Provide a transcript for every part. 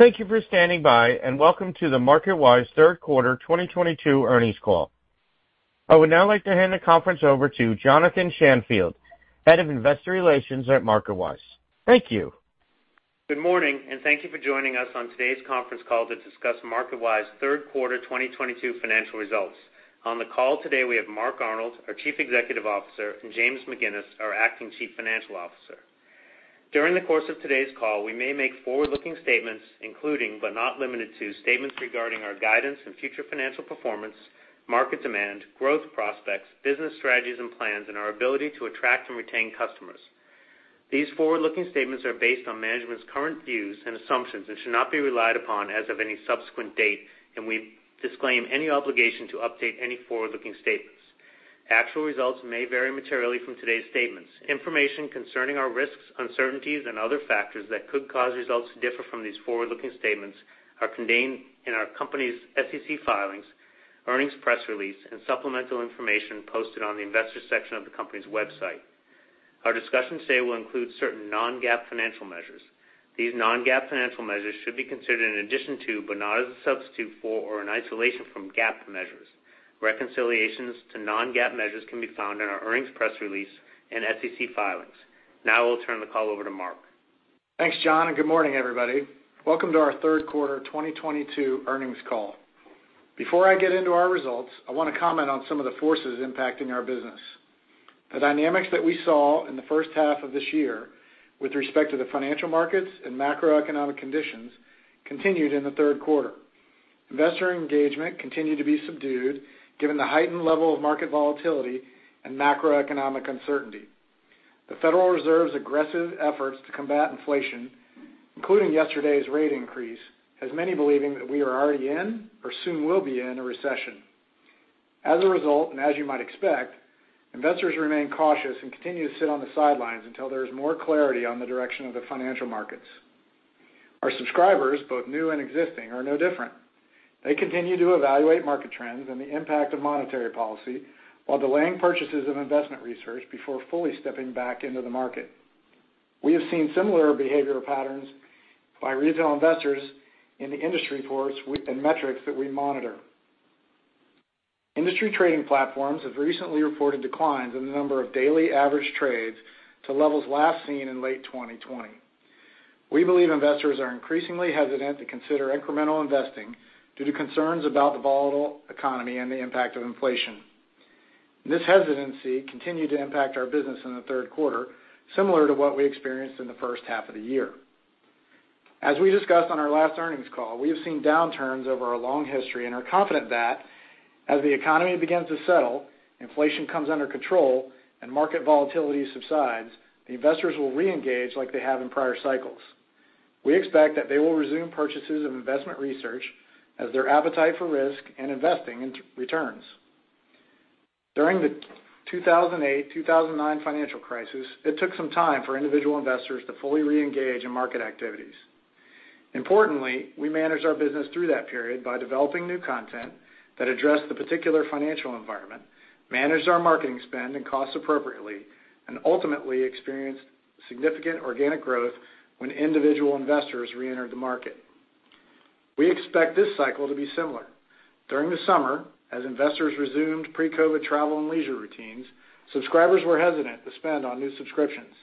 Thank you for standing by, and welcome to the MarketWise Third Quarter 2022 Earnings Call. I would now like to hand the conference over to Jonathan Shanfield, Head of Investor Relations at MarketWise. Thank you. Good morning, and thank you for joining us on today's conference call to discuss MarketWise third quarter 2022 financial results. On the call today, we have Mark Arnold, our Chief Executive Officer, and James McGinnis, our Acting Chief Financial Officer. During the course of today's call, we may make forward-looking statements, including, but not limited to, statements regarding our guidance and future financial performance, market demand, growth prospects, business strategies and plans, and our ability to attract and retain customers. These forward-looking statements are based on management's current views and assumptions and should not be relied upon as of any subsequent date, and we disclaim any obligation to update any forward-looking statements. Actual results may vary materially from today's statements. Information concerning our risks, uncertainties, and other factors that could cause results to differ from these forward-looking statements are contained in our company's SEC filings, earnings press release, and supplemental information posted on the Investors section of the company's website. Our discussion today will include certain non-GAAP financial measures. These non-GAAP financial measures should be considered in addition to, but not as a substitute for or in isolation from GAAP measures. Reconciliations to non-GAAP measures can be found in our earnings press release and SEC filings. Now I will turn the call over to Mark. Thanks, Jon, and good morning, everybody. Welcome to our third quarter 2022 earnings call. Before I get into our results, I wanna comment on some of the forces impacting our business. The dynamics that we saw in the first half of this year with respect to the financial markets and macroeconomic conditions continued in the third quarter. Investor engagement continued to be subdued given the heightened level of market volatility and macroeconomic uncertainty. The Federal Reserve's aggressive efforts to combat inflation, including yesterday's rate increase, has many believing that we are already in or soon will be in a recession. As a result, and as you might expect, investors remain cautious and continue to sit on the sidelines until there is more clarity on the direction of the financial markets. Our subscribers, both new and existing, are no different. They continue to evaluate market trends and the impact of monetary policy while delaying purchases of investment research before fully stepping back into the market. We have seen similar behavioral patterns by retail investors in the industry reports in metrics that we monitor. Industry trading platforms have recently reported declines in the number of daily average trades to levels last seen in late 2020. We believe investors are increasingly hesitant to consider incremental investing due to concerns about the volatile economy and the impact of inflation. This hesitancy continued to impact our business in the third quarter, similar to what we experienced in the first half of the year. As we discussed on our last earnings call, we have seen downturns over our long history and are confident that as the economy begins to settle, inflation comes under control, and market volatility subsides, the investors will reengage like they have in prior cycles. We expect that they will resume purchases of investment research as their appetite for risk and investing in total returns. During the 2008, 2009 financial crisis, it took some time for individual investors to fully reengage in market activities. Importantly, we managed our business through that period by developing new content that addressed the particular financial environment, managed our marketing spend and costs appropriately, and ultimately experienced significant organic growth when individual investors reentered the market. We expect this cycle to be similar. During the summer, as investors resumed pre-COVID travel and leisure routines, subscribers were hesitant to spend on new subscriptions.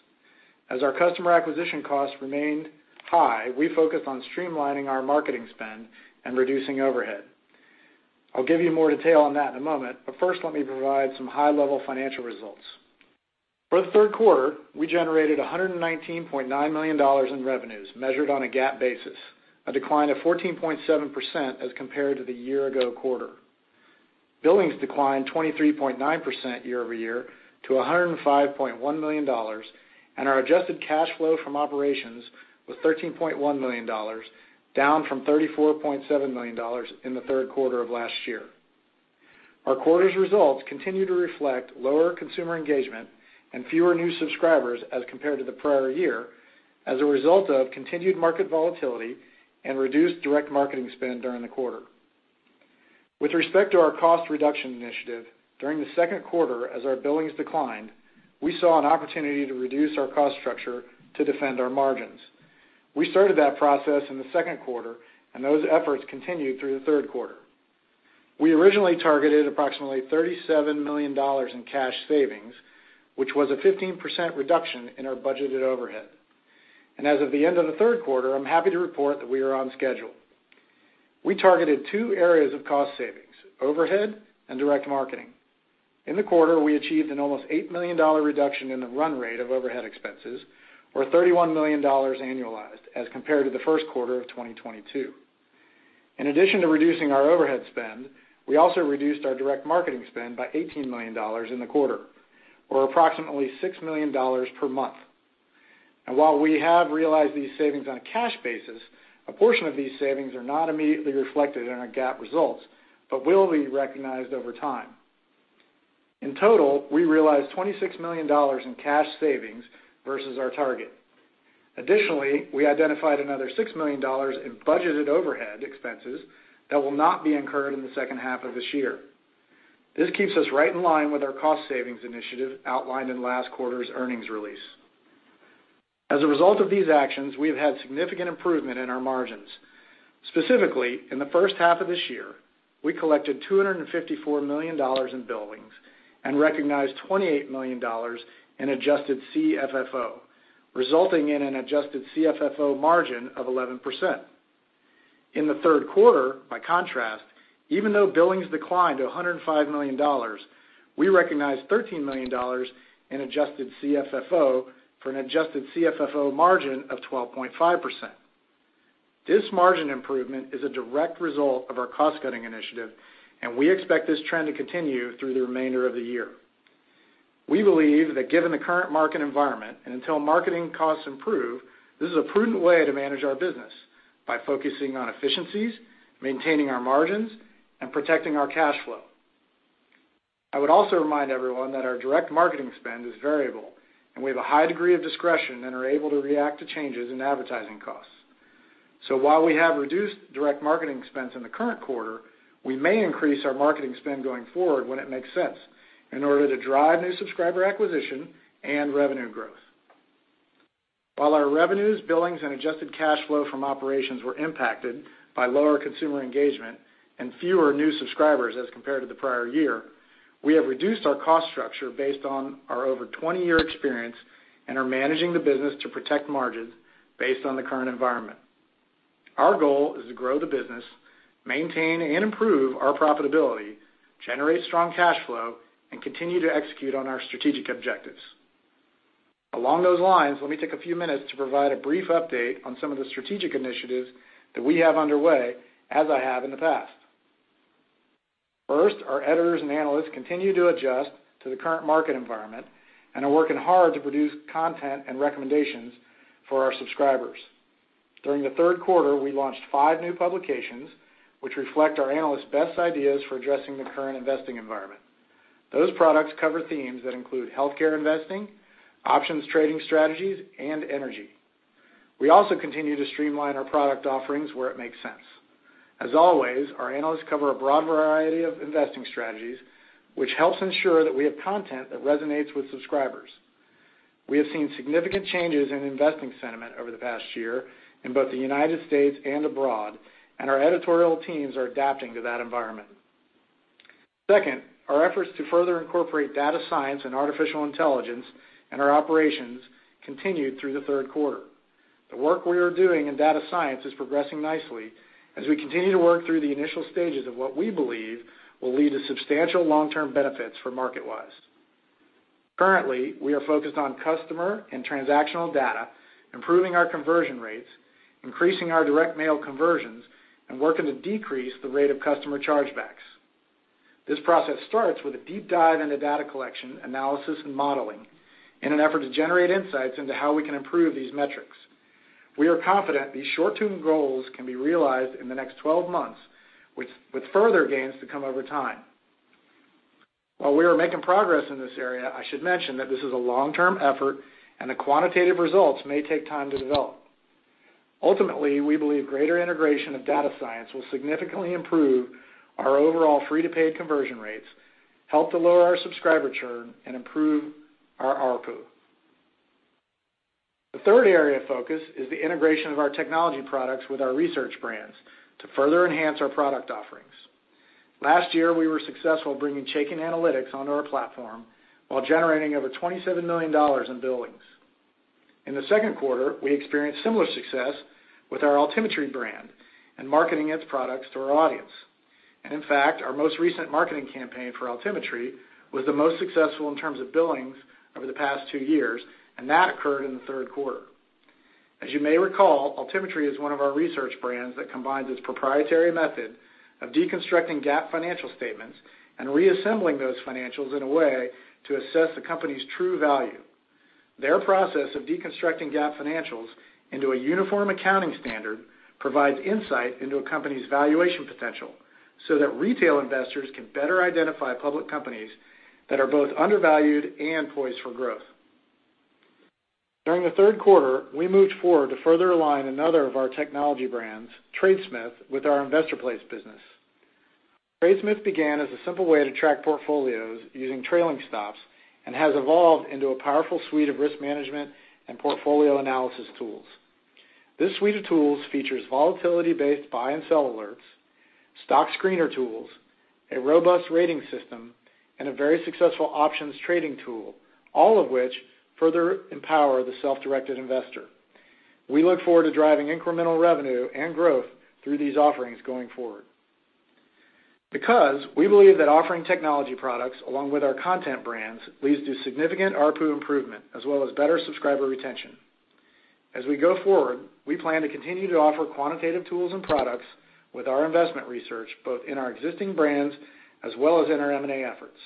As our customer acquisition costs remained high, we focused on streamlining our marketing spend and reducing overhead. I'll give you more detail on that in a moment, but first, let me provide some high-level financial results. For the third quarter, we generated $119.9 million in revenues measured on a GAAP basis, a decline of 14.7% as compared to the year ago quarter. Billings declined 23.9% year-over-year to $105.1 million, and our adjusted cash flow from operations was $13.1 million, down from $34.7 million in the third quarter of last year. Our quarter's results continue to reflect lower consumer engagement and fewer new subscribers as compared to the prior year as a result of continued market volatility and reduced direct marketing spend during the quarter. With respect to our cost reduction initiative, during the second quarter as our billings declined, we saw an opportunity to reduce our cost structure to defend our margins. We started that process in the second quarter, and those efforts continued through the third quarter. We originally targeted approximately $37 million in cash savings, which was a 15% reduction in our budgeted overhead. As of the end of the third quarter, I'm happy to report that we are on schedule. We targeted two areas of cost savings, overhead and direct marketing. In the quarter, we achieved an almost $8 million reduction in the run rate of overhead expenses or $31 million annualized as compared to the first quarter of 2022. In addition to reducing our overhead spend, we also reduced our direct marketing spend by $18 million in the quarter or approximately $6 million per month. While we have realized these savings on a cash basis, a portion of these savings are not immediately reflected in our GAAP results but will be recognized over time. In total, we realized $26 million in cash savings versus our target. Additionally, we identified another $6 million in budgeted overhead expenses that will not be incurred in the second half of this year. This keeps us right in line with our cost savings initiative outlined in last quarter's earnings release. As a result of these actions, we have had significant improvement in our margins. Specifically, in the first half of this year, we collected $254 million in billings and recognized $28 million in Adjusted CFFO, resulting in an Adjusted CFFO margin of 11%. In the third quarter, by contrast, even though billings declined to $105 million, we recognized $13 million in Adjusted CFFO for an Adjusted CFFO margin of 12.5%. This margin improvement is a direct result of our cost-cutting initiative, and we expect this trend to continue through the remainder of the year. We believe that given the current market environment and until marketing costs improve, this is a prudent way to manage our business by focusing on efficiencies, maintaining our margins, and protecting our cash flow. I would also remind everyone that our direct marketing spend is variable, and we have a high degree of discretion and are able to react to changes in advertising costs. While we have reduced direct marketing expense in the current quarter, we may increase our marketing spend going forward when it makes sense in order to drive new subscriber acquisition and revenue growth. While our revenues, billings, and adjusted cash flow from operations were impacted by lower consumer engagement and fewer new subscribers as compared to the prior year, we have reduced our cost structure based on our over 20-year experience and are managing the business to protect margins based on the current environment. Our goal is to grow the business, maintain and improve our profitability, generate strong cash flow, and continue to execute on our strategic objectives. Along those lines, let me take a few minutes to provide a brief update on some of the strategic initiatives that we have underway, as I have in the past. First, our editors and analysts continue to adjust to the current market environment and are working hard to produce content and recommendations for our subscribers. During the third quarter, we launched five new publications which reflect our analysts' best ideas for addressing the current investing environment. Those products cover themes that include healthcare investing, options trading strategies, and energy. We also continue to streamline our product offerings where it makes sense. As always, our analysts cover a broad variety of investing strategies, which helps ensure that we have content that resonates with subscribers. We have seen significant changes in investing sentiment over the past year in both the United States and abroad, and our editorial teams are adapting to that environment. Second, our efforts to further incorporate data science and artificial intelligence in our operations continued through the third quarter. The work we are doing in data science is progressing nicely as we continue to work through the initial stages of what we believe will lead to substantial long-term benefits for MarketWise. Currently, we are focused on customer and transactional data, improving our conversion rates, increasing our direct mail conversions, and working to decrease the rate of customer chargebacks. This process starts with a deep dive into data collection, analysis, and modeling in an effort to generate insights into how we can improve these metrics. We are confident these short-term goals can be realized in the next 12 months, with further gains to come over time. While we are making progress in this area, I should mention that this is a long-term effort and the quantitative results may take time to develop. Ultimately, we believe greater integration of data science will significantly improve our overall free-to-paid conversion rates, help to lower our subscriber churn, and improve our ARPU. The third area of focus is the integration of our technology products with our research brands to further enhance our product offerings. Last year, we were successful bringing Chaikin Analytics onto our platform while generating over $27 million in billings. In the second quarter, we experienced similar success with our Altimetry brand and marketing its products to our audience. In fact, our most recent marketing campaign for Altimetry was the most successful in terms of billings over the past two years, and that occurred in the third quarter. As you may recall, Altimetry is one of our research brands that combines its proprietary method of deconstructing GAAP financial statements and reassembling those financials in a way to assess a company's true value. Their process of deconstructing GAAP financials into a uniform accounting standard provides insight into a company's valuation potential so that retail investors can better identify public companies that are both undervalued and poised for growth. During the third quarter, we moved forward to further align another of our technology brands, TradeSmith, with our InvestorPlace business. TradeSmith began as a simple way to track portfolios using trailing stops and has evolved into a powerful suite of risk management and portfolio analysis tools. This suite of tools features volatility-based buy and sell alerts, stock screener tools, a robust rating system, and a very successful options trading tool, all of which further empower the self-directed investor. We look forward to driving incremental revenue and growth through these offerings going forward. Because we believe that offering technology products along with our content brands leads to significant ARPU improvement as well as better subscriber retention. As we go forward, we plan to continue to offer quantitative tools and products with our investment research, both in our existing brands as well as in our M&A efforts.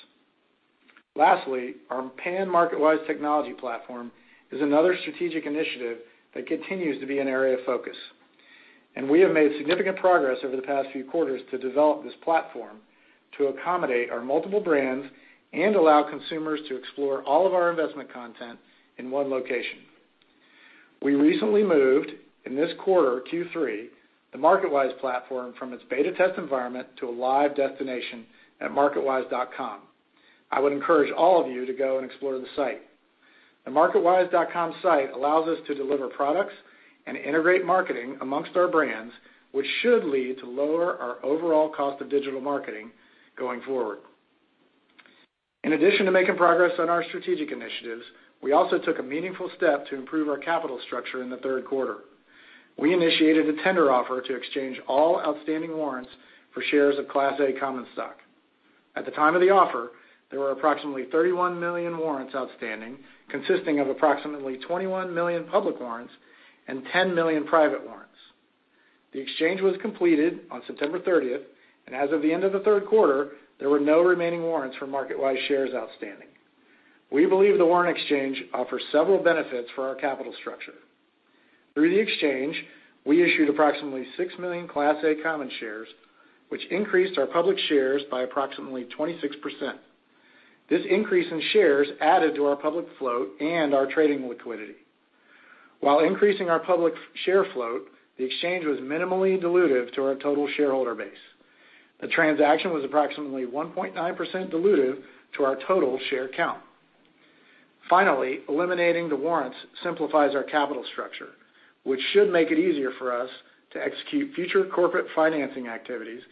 Lastly, our pan-MarketWise technology platform is another strategic initiative that continues to be an area of focus, and we have made significant progress over the past few quarters to develop this platform to accommodate our multiple brands and allow consumers to explore all of our investment content in one location. We recently moved, in this quarter, Q3, the MarketWise platform from its beta test environment to a live destination at MarketWise.com. I would encourage all of you to go and explore the site. The MarketWise.com site allows us to deliver products and integrate marketing among our brands, which should lead to lowering our overall cost of digital marketing going forward. In addition to making progress on our strategic initiatives, we also took a meaningful step to improve our capital structure in the third quarter. We initiated a tender offer to exchange all outstanding warrants for shares of Class A common stock. At the time of the offer, there were approximately 31 million warrants outstanding, consisting of approximately 21 million public warrants and 10 million private warrants. The exchange was completed on September 30, and as of the end of the third quarter, there were no remaining warrants for MarketWise shares outstanding. We believe the warrant exchange offers several benefits for our capital structure. Through the exchange, we issued approximately 6 million Class A common shares, which increased our public shares by approximately 26%. This increase in shares added to our public float and our trading liquidity. While increasing our public share float, the exchange was minimally dilutive to our total shareholder base. The transaction was approximately 1.9% dilutive to our total share count. Finally, eliminating the warrants simplifies our capital structure, which should make it easier for us to execute future corporate financing activities,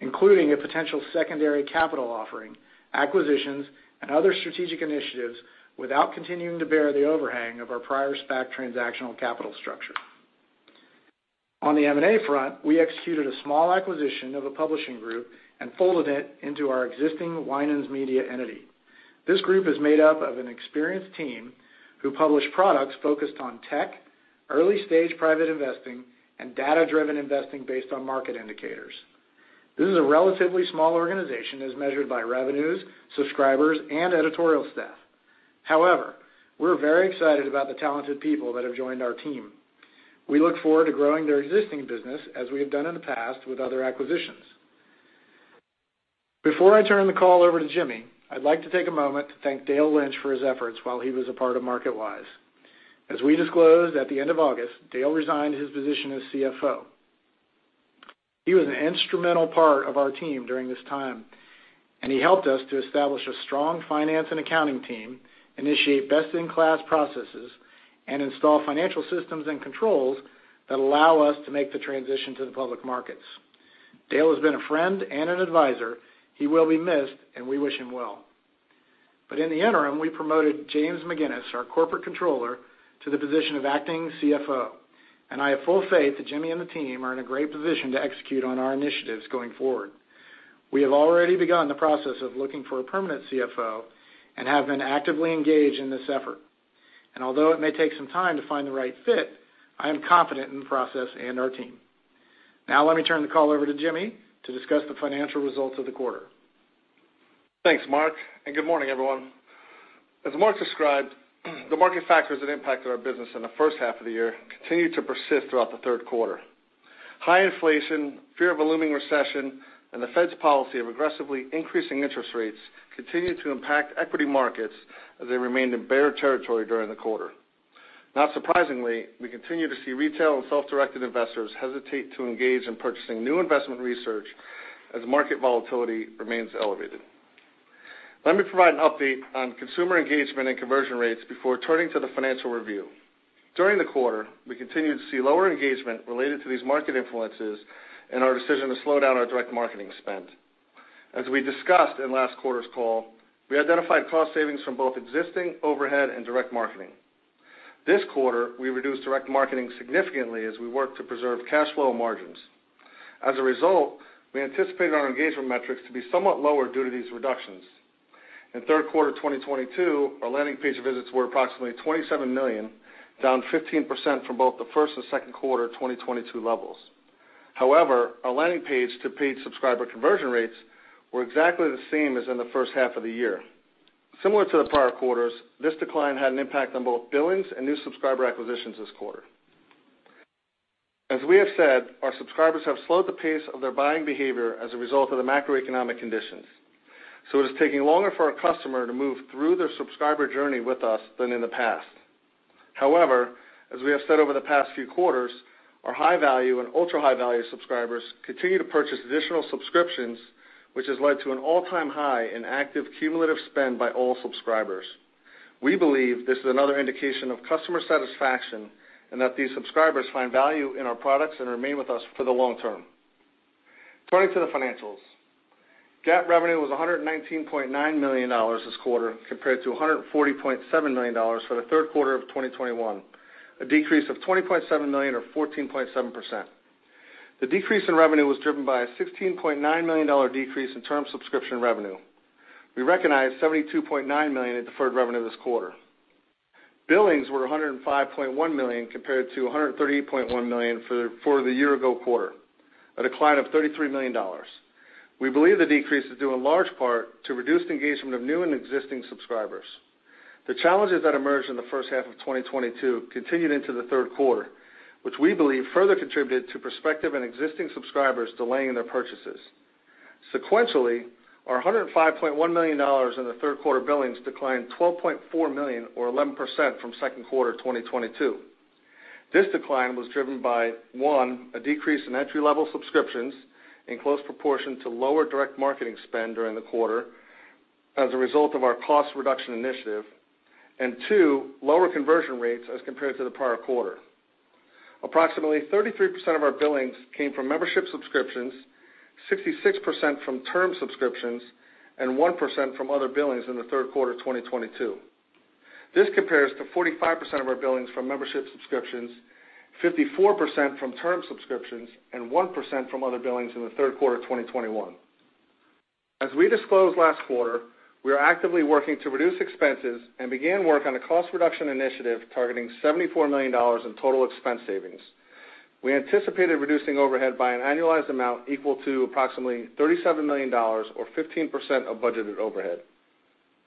including a potential secondary capital offering, acquisitions, and other strategic initiatives without continuing to bear the overhang of our prior SPAC transactional capital structure. On the M&A front, we executed a small acquisition of a publishing group and folded it into our existing Winans Media entity. This group is made up of an experienced team who publish products focused on tech, early-stage private investing, and data-driven investing based on market indicators. This is a relatively small organization as measured by revenues, subscribers, and editorial staff. However, we're very excited about the talented people that have joined our team. We look forward to growing their existing business as we have done in the past with other acquisitions. Before I turn the call over to Jimmy, I'd like to take a moment to thank Dale Lynch for his efforts while he was a part of MarketWise. As we disclosed at the end of August, Dale resigned his position as CFO. He was an instrumental part of our team during this time, and he helped us to establish a strong finance and accounting team, initiate best-in-class processes, and install financial systems and controls that allow us to make the transition to the public markets. Dale has been a friend and an advisor. He will be missed, and we wish him well. In the interim, we promoted James McGinnis, our Corporate Controller, to the position of Acting CFO, and I have full faith that Jimmy and the team are in a great position to execute on our initiatives going forward. We have already begun the process of looking for a permanent CFO and have been actively engaged in this effort. Although it may take some time to find the right fit, I am confident in the process and our team. Now let me turn the call over to Jimmy to discuss the financial results of the quarter. Thanks, Mark, and good morning, everyone. As Mark described, the market factors that impacted our business in the first half of the year continued to persist throughout the third quarter. High inflation, fear of a looming recession, and the Fed's policy of aggressively increasing interest rates continued to impact equity markets as they remained in bear territory during the quarter. Not surprisingly, we continue to see retail and self-directed investors hesitate to engage in purchasing new investment research as market volatility remains elevated. Let me provide an update on consumer engagement and conversion rates before turning to the financial review. During the quarter, we continued to see lower engagement related to these market influences and our decision to slow down our direct marketing spend. As we discussed in last quarter's call, we identified cost savings from both existing overhead and direct marketing. This quarter, we reduced direct marketing significantly as we work to preserve cash flow margins. As a result, we anticipated our engagement metrics to be somewhat lower due to these reductions. In third quarter 2022, our landing page visits were approximately 27 million, down 15% from both the first and second quarter 2022 levels. However, our landing page to paid subscriber conversion rates were exactly the same as in the first half of the year. Similar to the prior quarters, this decline had an impact on both billings and new subscriber acquisitions this quarter. As we have said, our subscribers have slowed the pace of their buying behavior as a result of the macroeconomic conditions, so it is taking longer for a customer to move through their subscriber journey with us than in the past. However, as we have said over the past few quarters, our high-value and ultra-high-value subscribers continue to purchase additional subscriptions, which has led to an all-time high in active cumulative spend by all subscribers. We believe this is another indication of customer satisfaction and that these subscribers find value in our products and remain with us for the long term. Turning to the financials. GAAP revenue was $119.9 million this quarter compared to $140.7 million for the third quarter of 2021, a decrease of $20.7 million or 14.7%. The decrease in revenue was driven by a $16.9 million decrease in term subscription revenue. We recognized $72.9 million in deferred revenue this quarter. Billings were $105.1 million compared to $138.1 million for the year-ago quarter, a decline of $33 million. We believe the decrease is due in large part to reduced engagement of new and existing subscribers. The challenges that emerged in the first half of 2022 continued into the third quarter, which we believe further contributed to prospective and existing subscribers delaying their purchases. Sequentially, our $105.1 million in the third quarter billings declined $12.4 million or 11% from second quarter 2022. This decline was driven by, one, a decrease in entry-level subscriptions in close proportion to lower direct marketing spend during the quarter as a result of our cost reduction initiative. Two, lower conversion rates as compared to the prior quarter. Approximately 33% of our billings came from membership subscriptions, 66% from term subscriptions, and 1% from other billings in the third quarter 2022. This compares to 45% of our billings from membership subscriptions, 54% from term subscriptions, and 1% from other billings in the third quarter 2021. As we disclosed last quarter, we are actively working to reduce expenses and began work on a cost reduction initiative targeting $74 million in total expense savings. We anticipated reducing overhead by an annualized amount equal to approximately $37 million or 15% of budgeted overhead.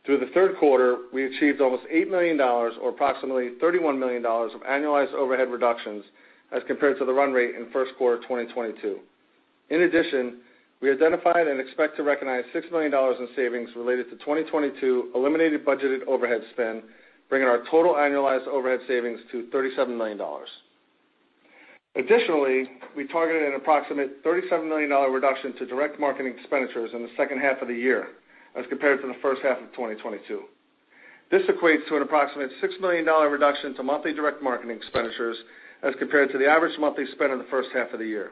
Through the third quarter, we achieved almost $8 million or approximately $31 million of annualized overhead reductions as compared to the run rate in first quarter 2022. In addition, we identified and expect to recognize $6 million in savings related to 2022 eliminated budgeted overhead spend, bringing our total annualized overhead savings to $37 million. Additionally, we targeted an approximate $37 million reduction to direct marketing expenditures in the second half of the year as compared to the first half of 2022. This equates to an approximate $6 million reduction to monthly direct marketing expenditures as compared to the average monthly spend in the first half of the year.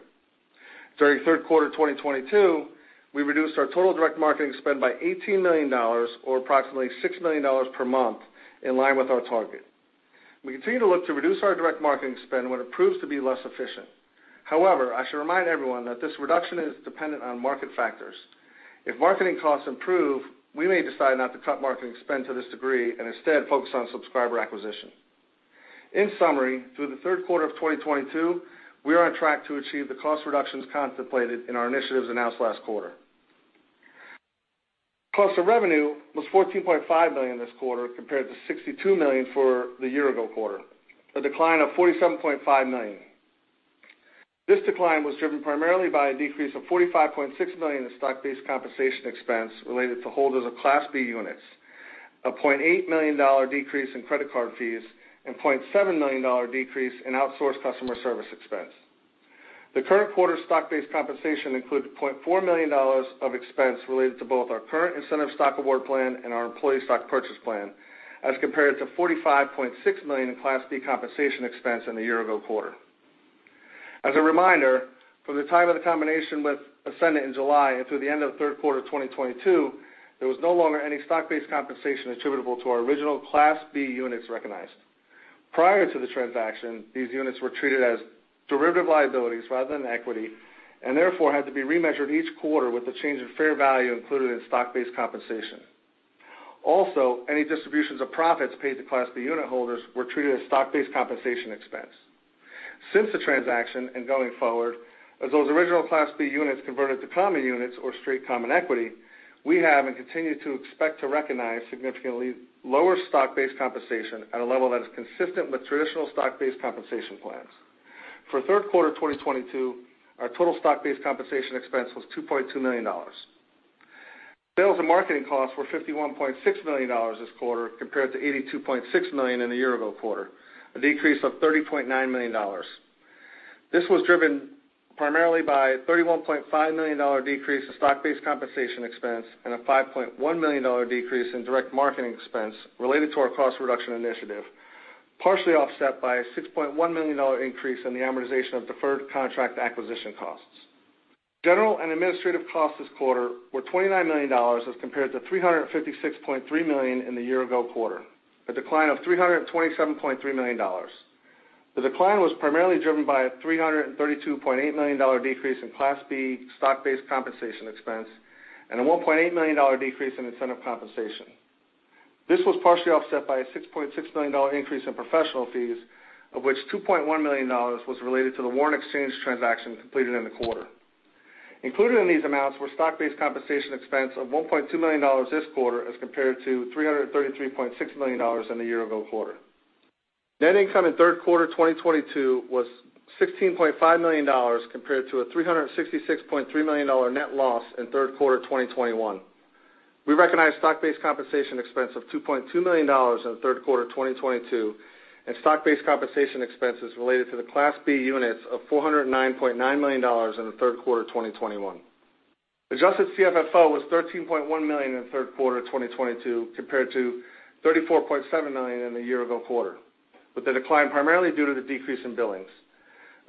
During third quarter 2022, we reduced our total direct marketing spend by $18 million or approximately $6 million per month in line with our target. We continue to look to reduce our direct marketing spend when it proves to be less efficient. However, I should remind everyone that this reduction is dependent on market factors. If marketing costs improve, we may decide not to cut marketing spend to this degree and instead focus on subscriber acquisition. In summary, through the third quarter of 2022, we are on track to achieve the cost reductions contemplated in our initiatives announced last quarter. Cost of revenue was $14.5 million this quarter compared to $62 million for the year ago quarter, a decline of $47.5 million. This decline was driven primarily by a decrease of $45.6 million in stock-based compensation expense related to holders of Class B units, a $0.8 million decrease in credit card fees, and $0.7 million decrease in outsourced customer service expense. The current quarter stock-based compensation included $0.4 million of expense related to both our current incentive stock award plan and our employee stock purchase plan, as compared to $45.6 million in Class B compensation expense in the year ago quarter. As a reminder, from the time of the combination with Ascendant in July and through the end of third quarter 2022, there was no longer any stock-based compensation attributable to our original Class B units recognized. Prior to the transaction, these units were treated as derivative liabilities rather than equity, and therefore had to be remeasured each quarter with a change in fair value included in stock-based compensation. Also, any distributions of profits paid to Class B unit holders were treated as stock-based compensation expense. Since the transaction and going forward, as those original Class B units converted to common units or straight common equity, we have and continue to expect to recognize significantly lower stock-based compensation at a level that is consistent with traditional stock-based compensation plans. For third quarter 2022, our total stock-based compensation expense was $2.2 million. Sales and marketing costs were $51.6 million this quarter compared to $82.6 million in the year-ago quarter, a decrease of $30.9 million. This was driven primarily by a $31.5 million decrease in stock-based compensation expense and a $5.1 million decrease in direct marketing expense related to our cost reduction initiative, partially offset by a $6.1 million increase in the amortization of deferred contract acquisition costs. General and administrative costs this quarter were $29 million as compared to $356.3 million in the year ago quarter, a decline of $327.3 million. The decline was primarily driven by a $332.8 million decrease in Class B stock-based compensation expense and a $1.8 million decrease in incentive compensation. This was partially offset by a $6.6 million increase in professional fees, of which $2.1 million was related to the warrant exchange transaction completed in the quarter. Included in these amounts were stock-based compensation expense of $1.2 million this quarter as compared to $333.6 million in the year ago quarter. Net income in third quarter 2022 was $16.5 million compared to a $366.3 million net loss in third quarter 2021. We recognized stock-based compensation expense of $2.2 million in third quarter 2022 and stock-based compensation expenses related to the Class B units of $409.9 million in the third quarter 2021. Adjusted CFFO was $13.1 million in the third quarter 2022 compared to $34.7 million in the year ago quarter, with the decline primarily due to the decrease in billings.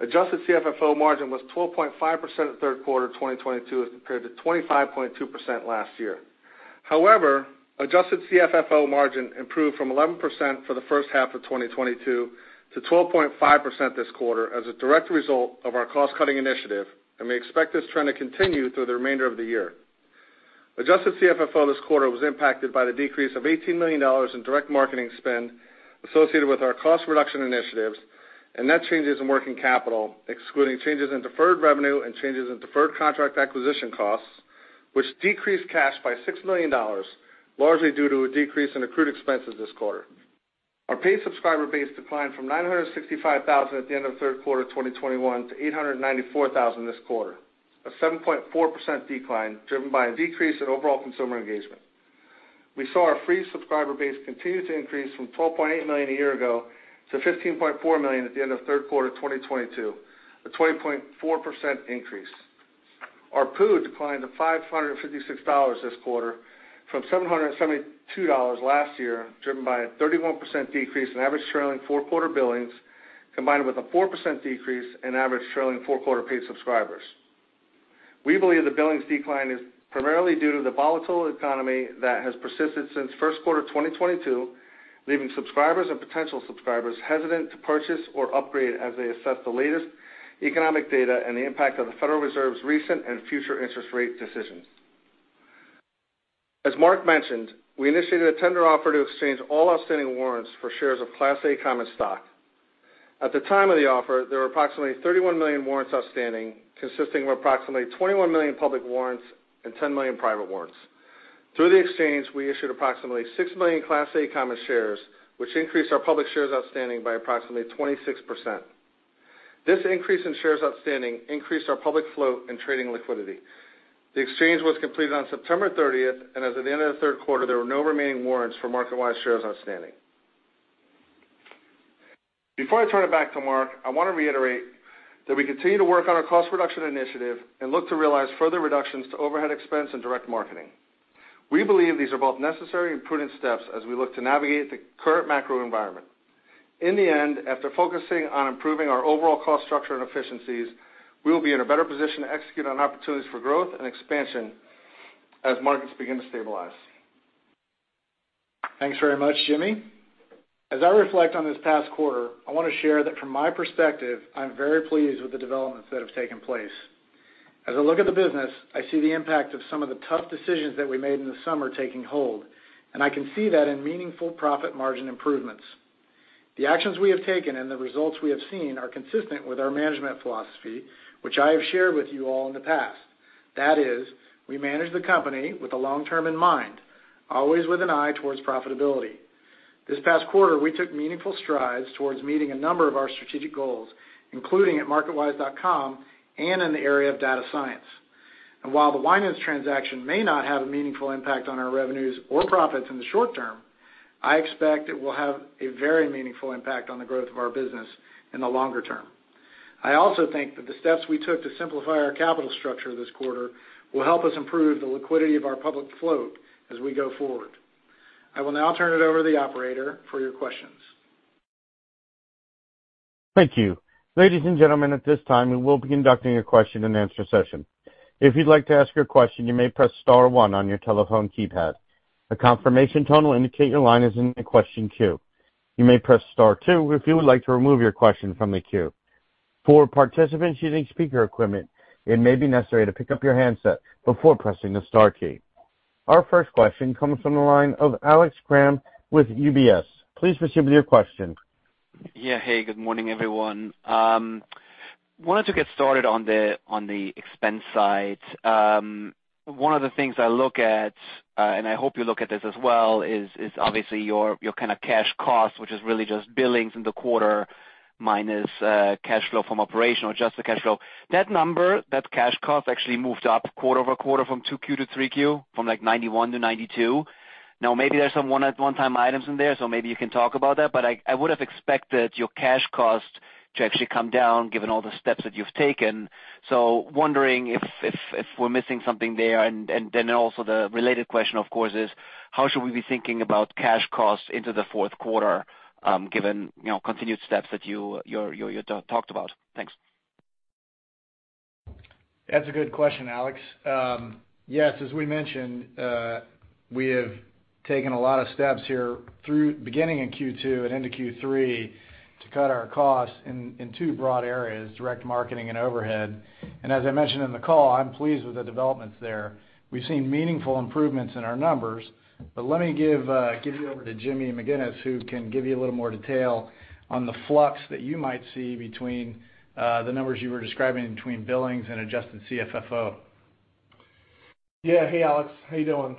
Adjusted CFFO margin was 12.5% in third quarter 2022 as compared to 25.2% last year. However, Adjusted CFFO margin improved from 11% for the first half of 2022 to 12.5% this quarter as a direct result of our cost-cutting initiative, and we expect this trend to continue through the remainder of the year. Adjusted CFFO this quarter was impacted by the decrease of $18 million in direct marketing spend associated with our cost reduction initiatives and net changes in working capital, excluding changes in deferred revenue and changes in deferred contract acquisition costs, which decreased cash by $6 million, largely due to a decrease in accrued expenses this quarter. Our paid subscriber base declined from 965,000 at the end of third quarter 2021 to 894,000 this quarter, a 7.4% decline driven by a decrease in overall consumer engagement. We saw our free subscriber base continue to increase from 12.8 million a year ago to 15.4 million at the end of third quarter 2022, a 20.4% increase. Our PU declined to $556 this quarter from $772 last year, driven by a 31% decrease in average trailing four quarter billings, combined with a 4% decrease in average trailing four quarter paid subscribers. We believe the billings decline is primarily due to the volatile economy that has persisted since first quarter 2022, leaving subscribers and potential subscribers hesitant to purchase or upgrade as they assess the latest economic data and the impact of the Federal Reserve's recent and future interest rate decisions. As Mark mentioned, we initiated a tender offer to exchange all outstanding warrants for shares of Class A common stock. At the time of the offer, there were approximately 31 million warrants outstanding, consisting of approximately 21 million public warrants and 10 million private warrants. Through the exchange, we issued approximately 6 million Class A common shares, which increased our public shares outstanding by approximately 26%. This increase in shares outstanding increased our public float and trading liquidity. The exchange was completed on September 30th, and as of the end of the third quarter, there were no remaining warrants for MarketWise shares outstanding. Before I turn it back to Mark, I want to reiterate that we continue to work on our cost reduction initiative and look to realize further reductions to overhead expense and direct marketing. We believe these are both necessary and prudent steps as we look to navigate the current macro environment. In the end, after focusing on improving our overall cost structure and efficiencies, we will be in a better position to execute on opportunities for growth and expansion as markets begin to stabilize. Thanks very much, Jimmy. As I reflect on this past quarter, I want to share that from my perspective, I'm very pleased with the developments that have taken place. As I look at the business, I see the impact of some of the tough decisions that we made in the summer taking hold, and I can see that in meaningful profit margin improvements. The actions we have taken and the results we have seen are consistent with our management philosophy, which I have shared with you all in the past. That is, we manage the company with the long-term in mind, always with an eye towards profitability. This past quarter, we took meaningful strides towards meeting a number of our strategic goals, including at MarketWise.com and in the area of data science. While the Winans transaction may not have a meaningful impact on our revenues or profits in the short term, I expect it will have a very meaningful impact on the growth of our business in the longer term. I also think that the steps we took to simplify our capital structure this quarter will help us improve the liquidity of our public float as we go forward. I will now turn it over to the operator for your questions. Thank you. Ladies and gentlemen, at this time, we will be conducting a question and answer session. If you'd like to ask your question, you may press star 1 on your telephone keypad. A confirmation tone will indicate your line is in the question queue. You may press star 2 if you would like to remove your question from the queue. For participants using speaker equipment, it may be necessary to pick up your handset before pressing the star key. Our first question comes from the line of Alex Kramm with UBS. Please proceed with your question. Yeah. Hey, good morning, everyone. Wanted to get started on the expense side. One of the things I look at, and I hope you look at this as well, is obviously your kinda cash cost, which is really just billings in the quarter minus cash flow from operations or adjusted cash flow. That number, that cash cost actually moved up quarter-over-quarter from Q2 to Q3, from like $91-$92. Now, maybe there's some one-time items in there, so maybe you can talk about that. But I would have expected your cash cost to actually come down given all the steps that you've taken. Wondering if we're missing something there. Also the related question, of course, is how should we be thinking about cash costs into the fourth quarter, given you know continued steps that you just talked about? Thanks. That's a good question, Alex. Yes, as we mentioned, we have taken a lot of steps here through beginning in Q2 and into Q3 to cut our costs in two broad areas, direct marketing and overhead. As I mentioned in the call, I'm pleased with the developments there. We've seen meaningful improvements in our numbers. Let me give you over to Jimmy McGinnis, who can give you a little more detail on the flux that you might see between the numbers you were describing between billings and Adjusted CFFO. Yeah. Hey, Alex. How you doing?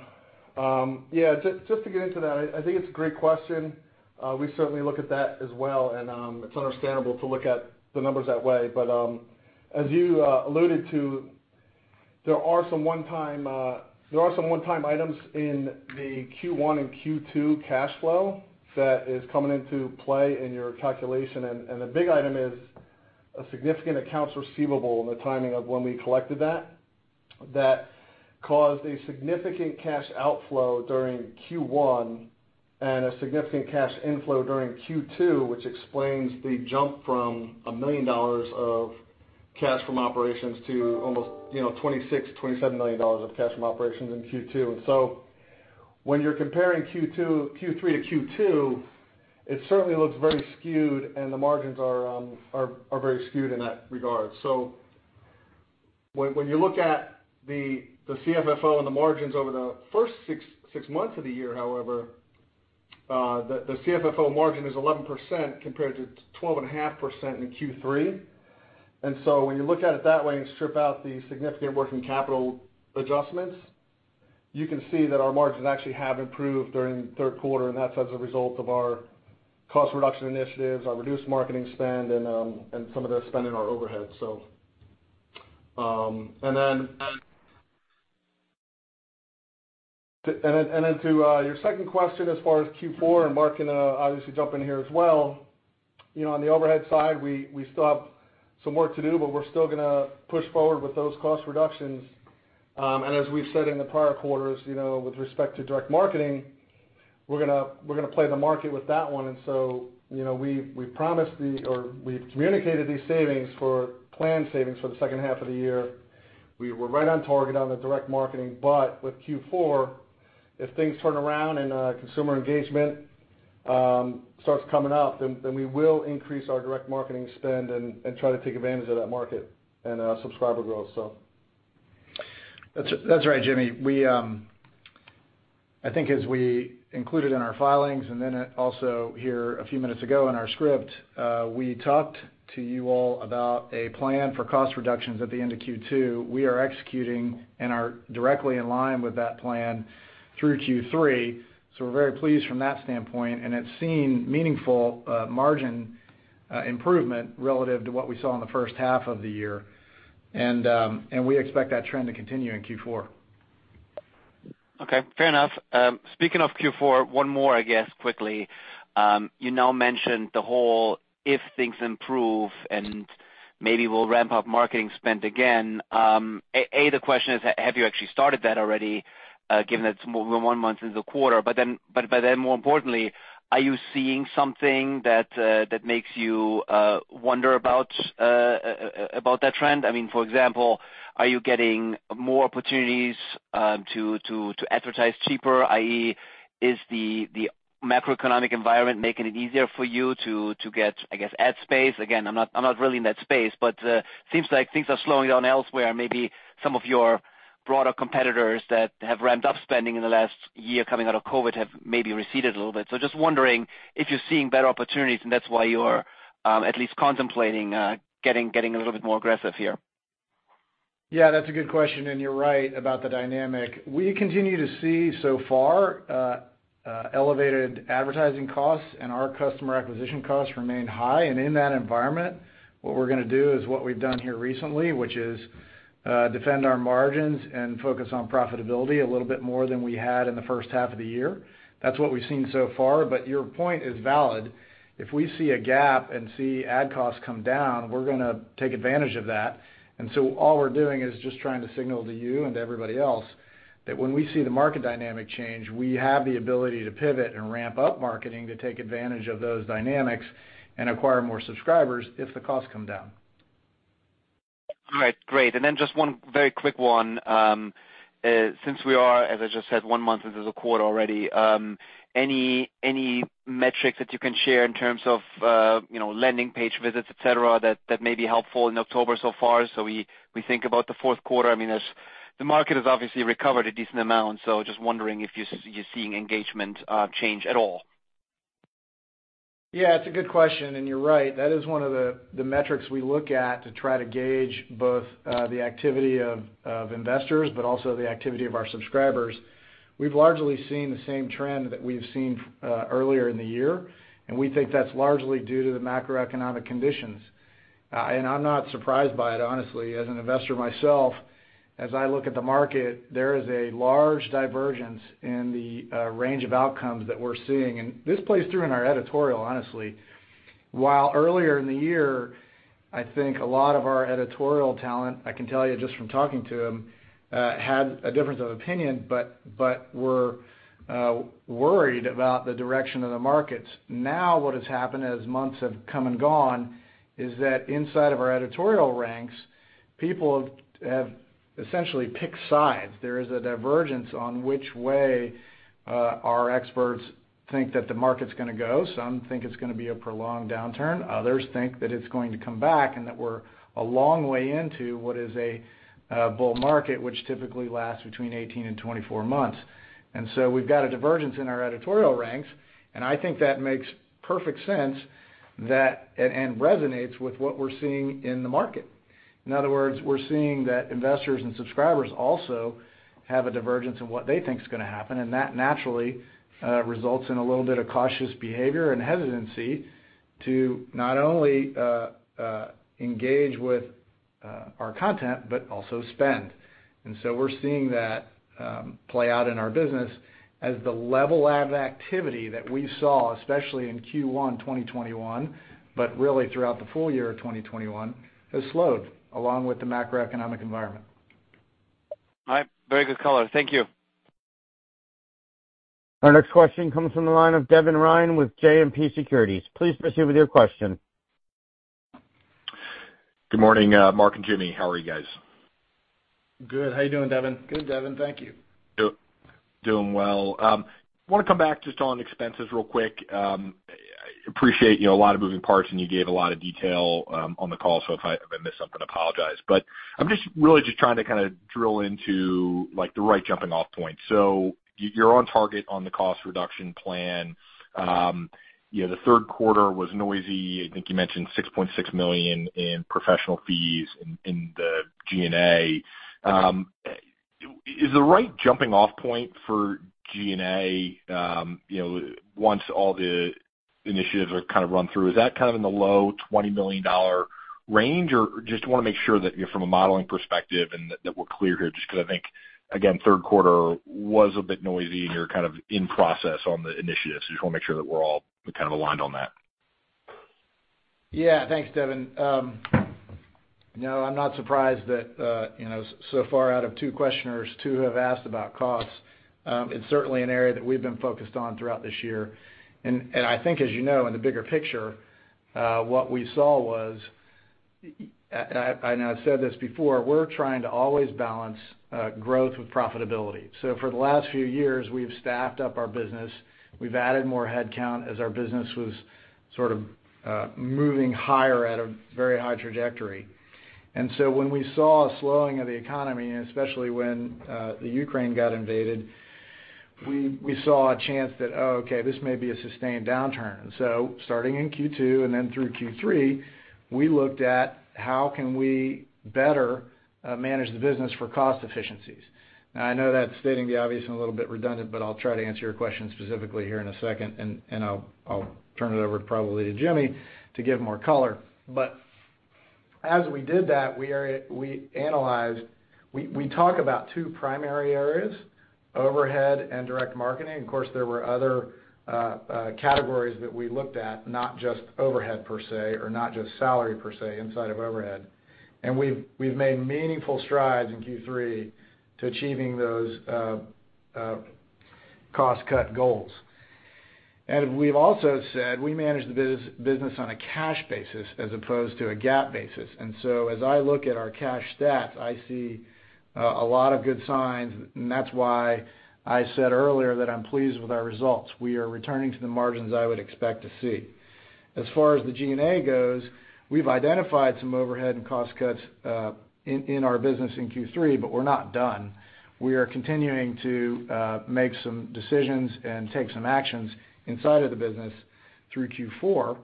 Yeah, just to get into that, I think it's a great question. We certainly look at that as well, and it's understandable to look at the numbers that way. As you alluded to, there are some one-time items in the Q1 and Q2 cash flow that is coming into play in your calculation. The big item is a significant accounts receivable and the timing of when we collected that caused a significant cash outflow during Q1 and a significant cash inflow during Q2, which explains the jump from $1 million of cash from operations to almost, you know, $26-$27 million of cash from operations in Q2. When you're comparing Q3 to Q2, it certainly looks very skewed, and the margins are very skewed in that regard. When you look at the CFFO and the margins over the first six months of the year, however, the CFFO margin is 11% compared to 12.5% in Q3. When you look at it that way and strip out the significant working capital adjustments, you can see that our margins actually have improved during the third quarter, and that's as a result of our cost reduction initiatives, our reduced marketing spend, and some of the spend in our overhead. And then to your second question as far as Q4, and Mark can obviously jump in here as well. You know, on the overhead side, we still have some work to do, but we're still gonna push forward with those cost reductions. As we've said in the prior quarters, you know, with respect to direct marketing, we're gonna play the market with that one. You know, we promised or we communicated these savings for planned savings for the second half of the year. We were right on target on the direct marketing, but with Q4, if things turn around and consumer engagement starts coming up, then we will increase our direct marketing spend and try to take advantage of that market and subscriber growth. That's right, Jimmy. I think as we included in our filings and then also here a few minutes ago in our script, we talked to you all about a plan for cost reductions at the end of Q2. We are executing and are directly in line with that plan through Q3. We're very pleased from that standpoint, and it's seen meaningful margin improvement relative to what we saw in the first half of the year. We expect that trend to continue in Q4. Okay, fair enough. Speaking of Q4, one more, I guess, quickly. You now mentioned the whole if things improve and maybe we'll ramp up marketing spend again. The question is, have you actually started that already, given that we're one month into the quarter? More importantly, are you seeing something that makes you wonder about that trend? I mean, for example, are you getting more opportunities to advertise cheaper, i.e., is the macroeconomic environment making it easier for you to get, I guess, ad space? Again, I'm not really in that space, but, seems like things are slowing down elsewhere. Maybe some of your broader competitors that have ramped up spending in the last year coming out of COVID have maybe receded a little bit. Just wondering if you're seeing better opportunities and that's why you're at least contemplating getting a little bit more aggressive here. Yeah, that's a good question, and you're right about the dynamic. We continue to see so far, elevated advertising costs and our customer acquisition costs remain high. In that environment, what we're gonna do is what we've done here recently, which is, defend our margins and focus on profitability a little bit more than we had in the first half of the year. That's what we've seen so far, but your point is valid. If we see a gap and see ad costs come down, we're gonna take advantage of that. All we're doing is just trying to signal to you and to everybody else that when we see the market dynamic change, we have the ability to pivot and ramp up marketing to take advantage of those dynamics and acquire more subscribers if the costs come down. All right, great. Just one very quick one. Since we are, as I just said, one month into the quarter already, any metrics that you can share in terms of, you know, landing page visits, et cetera, that may be helpful in October so far as we think about the fourth quarter? I mean, as the market has obviously recovered a decent amount, just wondering if you're seeing engagement change at all. Yeah, it's a good question, and you're right. That is one of the metrics we look at to try to gauge both the activity of investors, but also the activity of our subscribers. We've largely seen the same trend that we've seen earlier in the year, and we think that's largely due to the macroeconomic conditions. I'm not surprised by it, honestly. As an investor myself, as I look at the market, there is a large divergence in the range of outcomes that we're seeing. This plays through in our editorial, honestly. While earlier in the year, I think a lot of our editorial talent, I can tell you just from talking to them, had a difference of opinion, but were worried about the direction of the markets. Now what has happened as months have come and gone is that inside of our editorial ranks, people have essentially picked sides. There is a divergence on which way our experts think that the market's gonna go. Some think it's gonna be a prolonged downturn, others think that it's going to come back and that we're a long way into what is a bull market, which typically lasts between 18 and 24 months. We've got a divergence in our editorial ranks, and I think that makes perfect sense and resonates with what we're seeing in the market. In other words, we're seeing that investors and subscribers also have a divergence in what they think is gonna happen, and that naturally results in a little bit of cautious behavior and hesitancy to not only engage with our content, but also spend. We're seeing that play out in our business as the level of activity that we saw, especially in Q1 2021, but really throughout the full year of 2021, has slowed along with the macroeconomic environment. All right. Very good color. Thank you. Our next question comes from the line of Devin Ryan with JMP Securities. Please proceed with your question. Good morning, Mark and Jimmy. How are you guys? Good. How are you doing, Devin? Good, Devin. Thank you. Doing well. Want to come back just on expenses real quick. Appreciate, you know, a lot of moving parts, and you gave a lot of detail on the call, so if I missed something, I apologize. I'm just really just trying to kind of drill into like the right jumping off point. You're on target on the cost reduction plan. You know, the third quarter was noisy. I think you mentioned $6.6 million in professional fees in the G&A. Is the right jumping off point for G&A, you know, once all the initiatives are kind of run through, kind of in the low $20 million range? Just wanna make sure that, you know, from a modeling perspective and that we're clear here, just 'cause I think, again, third quarter was a bit noisy and you're kind of in process on the initiatives. Just wanna make sure that we're all kind of aligned on that. Yeah. Thanks, Devin. No, I'm not surprised that, you know, so far out of two questioners, two have asked about costs. It's certainly an area that we've been focused on throughout this year. I think, as you know, in the bigger picture, what we saw was, I know I've said this before, we're trying to always balance growth with profitability. For the last few years, we've staffed up our business, we've added more headcount as our business was sort of moving higher at a very high trajectory. When we saw a slowing of the economy, and especially when the Ukraine got invaded, we saw a chance that, oh, okay, this may be a sustained downturn. Starting in Q2 and then through Q3, we looked at how can we better manage the business for cost efficiencies. Now, I know that's stating the obvious and a little bit redundant, but I'll try to answer your question specifically here in a second, and I'll turn it over probably to Jimmy to give more color. As we did that, we talk about two primary areas, overhead and direct marketing. Of course, there were other categories that we looked at, not just overhead per se or not just salary per se inside of overhead. We've made meaningful strides in Q3 to achieving those cost cut goals. We've also said we manage the business on a cash basis as opposed to a GAAP basis. As I look at our cash stats, I see a lot of good signs, and that's why I said earlier that I'm pleased with our results. We are returning to the margins I would expect to see. As far as the G&A goes, we've identified some overhead and cost cuts in our business in Q3, but we're not done. We are continuing to make some decisions and take some actions inside of the business through Q4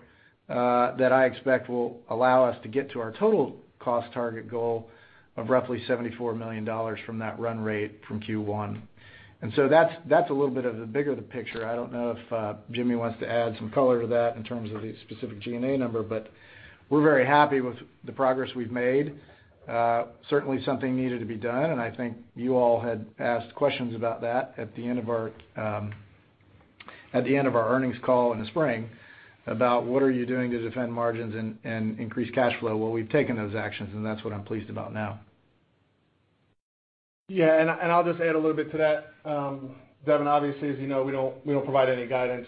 that I expect will allow us to get to our total cost target goal of roughly $74 million from that run rate from Q1. That's a little bit of the bigger picture. I don't know if Jimmy wants to add some color to that in terms of the specific G&A number, but we're very happy with the progress we've made. Certainly something needed to be done, and I think you all had asked questions about that at the end of our earnings call in the spring about what are you doing to defend margins and increase cash flow. Well, we've taken those actions, and that's what I'm pleased about now. Yeah, I'll just add a little bit to that. Devin, obviously, as you know, we don't provide any guidance.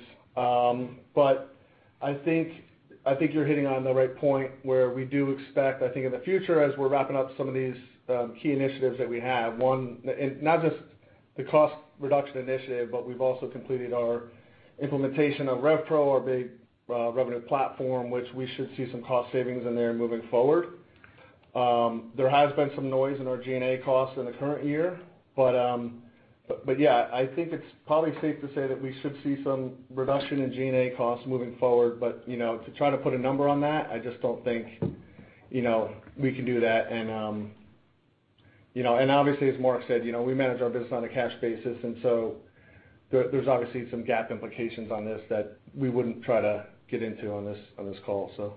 I think you're hitting on the right point where we do expect, I think in the future, as we're wrapping up some of these key initiatives that we have. Not just the cost reduction initiative, but we've also completed our implementation of RevPro, our big revenue platform, which we should see some cost savings in there moving forward. There has been some noise in our G&A costs in the current year, but yeah, I think it's probably safe to say that we should see some reduction in G&A costs moving forward. You know, to try to put a number on that, I just don't think, you know, we can do that. You know, and obviously, as Mark said, you know, we manage our business on a cash basis, and so there's obviously some GAAP implications on this that we wouldn't try to get into on this call so.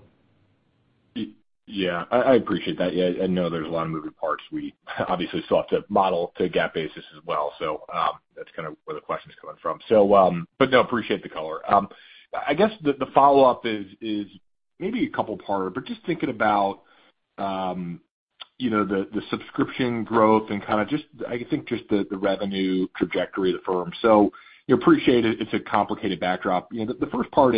Yeah, I appreciate that. Yeah, I know there's a lot of moving parts. We obviously still have to model to GAAP basis as well. That's kinda where the question is coming from. So, but no, appreciate the color. I guess the follow-up is maybe a couple part, but just thinking about, you know, the subscription growth and kinda just I think just the revenue trajectory of the firm. So, you know, appreciate it. It's a complicated backdrop. You know, the first part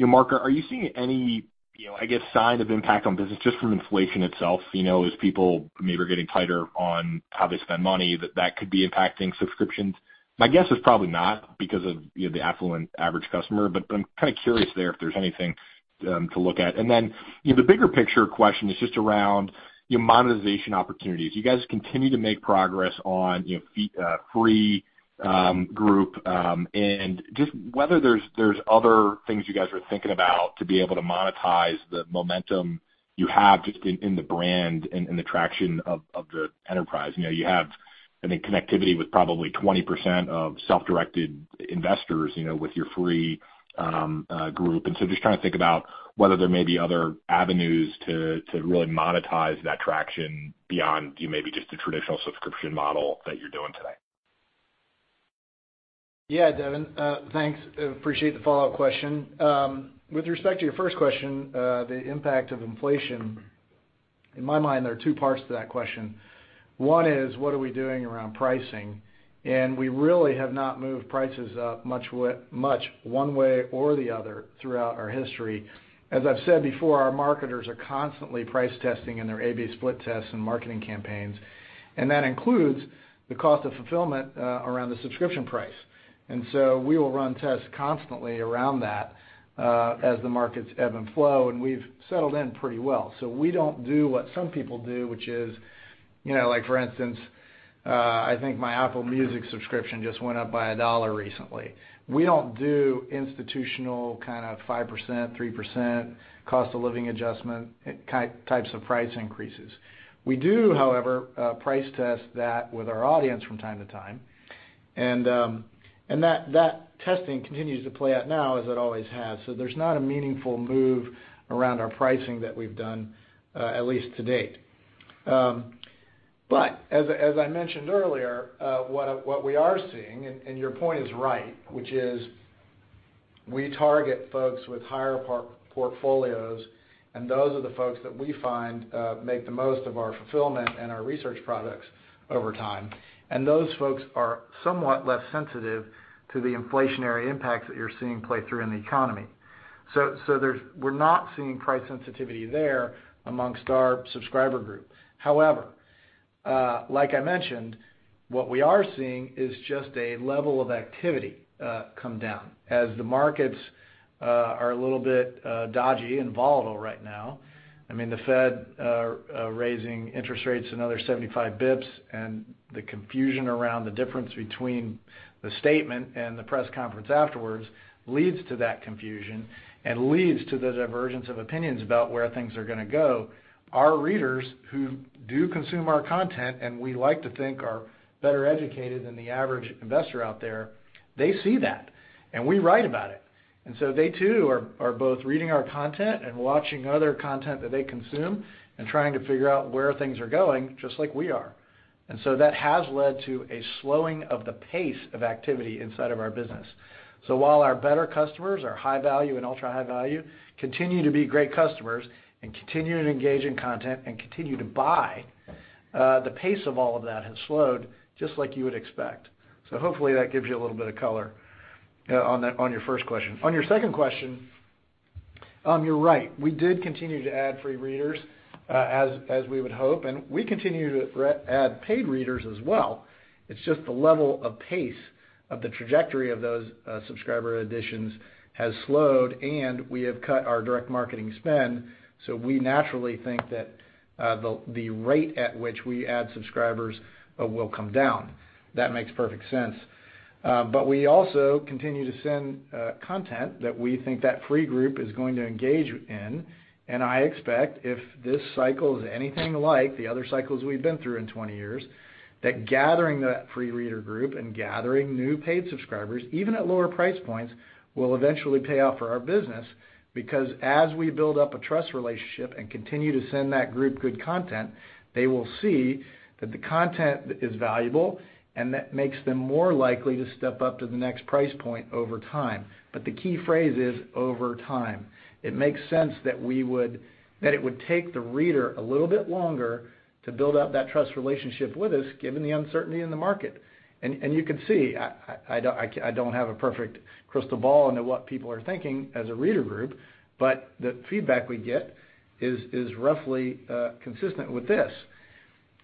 is, you know, Mark, are you seeing any, you know, I guess, sign of impact on business just from inflation itself, you know, as people maybe are getting tighter on how they spend money that could be impacting subscriptions? My guess is probably not because of, you know, the affluent average customer, but I'm kinda curious there if there's anything to look at. Then, you know, the bigger picture question is just around, you know, monetization opportunities. You guys continue to make progress on, you know, free group, and just whether there's other things you guys are thinking about to be able to monetize the momentum you have just in the brand and the traction of the enterprise. You know, you have, I think, connectivity with probably 20% of self-directed investors, you know, with your free group. Just trying to think about whether there may be other avenues to really monetize that traction beyond you maybe just the traditional subscription model that you're doing today. Yeah, Devin. Thanks. Appreciate the follow-up question. With respect to your first question, the impact of inflation, in my mind, there are two parts to that question. One is, what are we doing around pricing? We really have not moved prices up much one way or the other throughout our history. As I've said before, our marketers are constantly price testing in their A/B split tests and marketing campaigns, and that includes the cost of fulfillment around the subscription price. We will run tests constantly around that, as the markets ebb and flow, and we've settled in pretty well. We don't do what some people do, which is, you know, like for instance, I think my Apple Music subscription just went up by $1 recently. We don't do institutional kinda 5%, 3% cost of living adjustment types of price increases. We do, however, price test that with our audience from time to time. That testing continues to play out now as it always has. There's not a meaningful move around our pricing that we've done, at least to date. As I mentioned earlier, what we are seeing, and your point is right, which is we target folks with higher portfolios, and those are the folks that we find make the most of our fulfillment and our research products over time. Those folks are somewhat less sensitive to the inflationary impacts that you're seeing play through in the economy. We're not seeing price sensitivity there amongst our subscriber group. However, like I mentioned, what we are seeing is just a level of activity come down as the markets are a little bit dodgy and volatile right now. I mean, the Fed raising interest rates another 75 basis points and the confusion around the difference between the statement and the press conference afterwards leads to that confusion and leads to the divergence of opinions about where things are gonna go. Our readers, who do consume our content, and we like to think are better educated than the average investor out there, they see that, and we write about it. They too are both reading our content and watching other content that they consume and trying to figure out where things are going, just like we are. That has led to a slowing of the pace of activity inside of our business. While our better customers, our high value and ultra-high value, continue to be great customers and continue to engage in content and continue to buy, the pace of all of that has slowed just like you would expect. Hopefully that gives you a little bit of color on that on your first question. On your second question, you're right. We did continue to add free readers as we would hope, and we continue to add paid readers as well. It's just the level of pace of the trajectory of those subscriber additions has slowed, and we have cut our direct marketing spend, so we naturally think that the rate at which we add subscribers will come down. That makes perfect sense. We also continue to send content that we think that free group is going to engage in, and I expect if this cycle is anything like the other cycles we've been through in 20 years, that gathering that free reader group and gathering new paid subscribers, even at lower price points, will eventually pay off for our business. Because as we build up a trust relationship and continue to send that group good content, they will see that the content is valuable, and that makes them more likely to step up to the next price point over time. The key phrase is over time. It makes sense that it would take the reader a little bit longer to build up that trust relationship with us, given the uncertainty in the market. You can see, I don't have a perfect crystal ball into what people are thinking as a reader group, but the feedback we get is roughly consistent with this.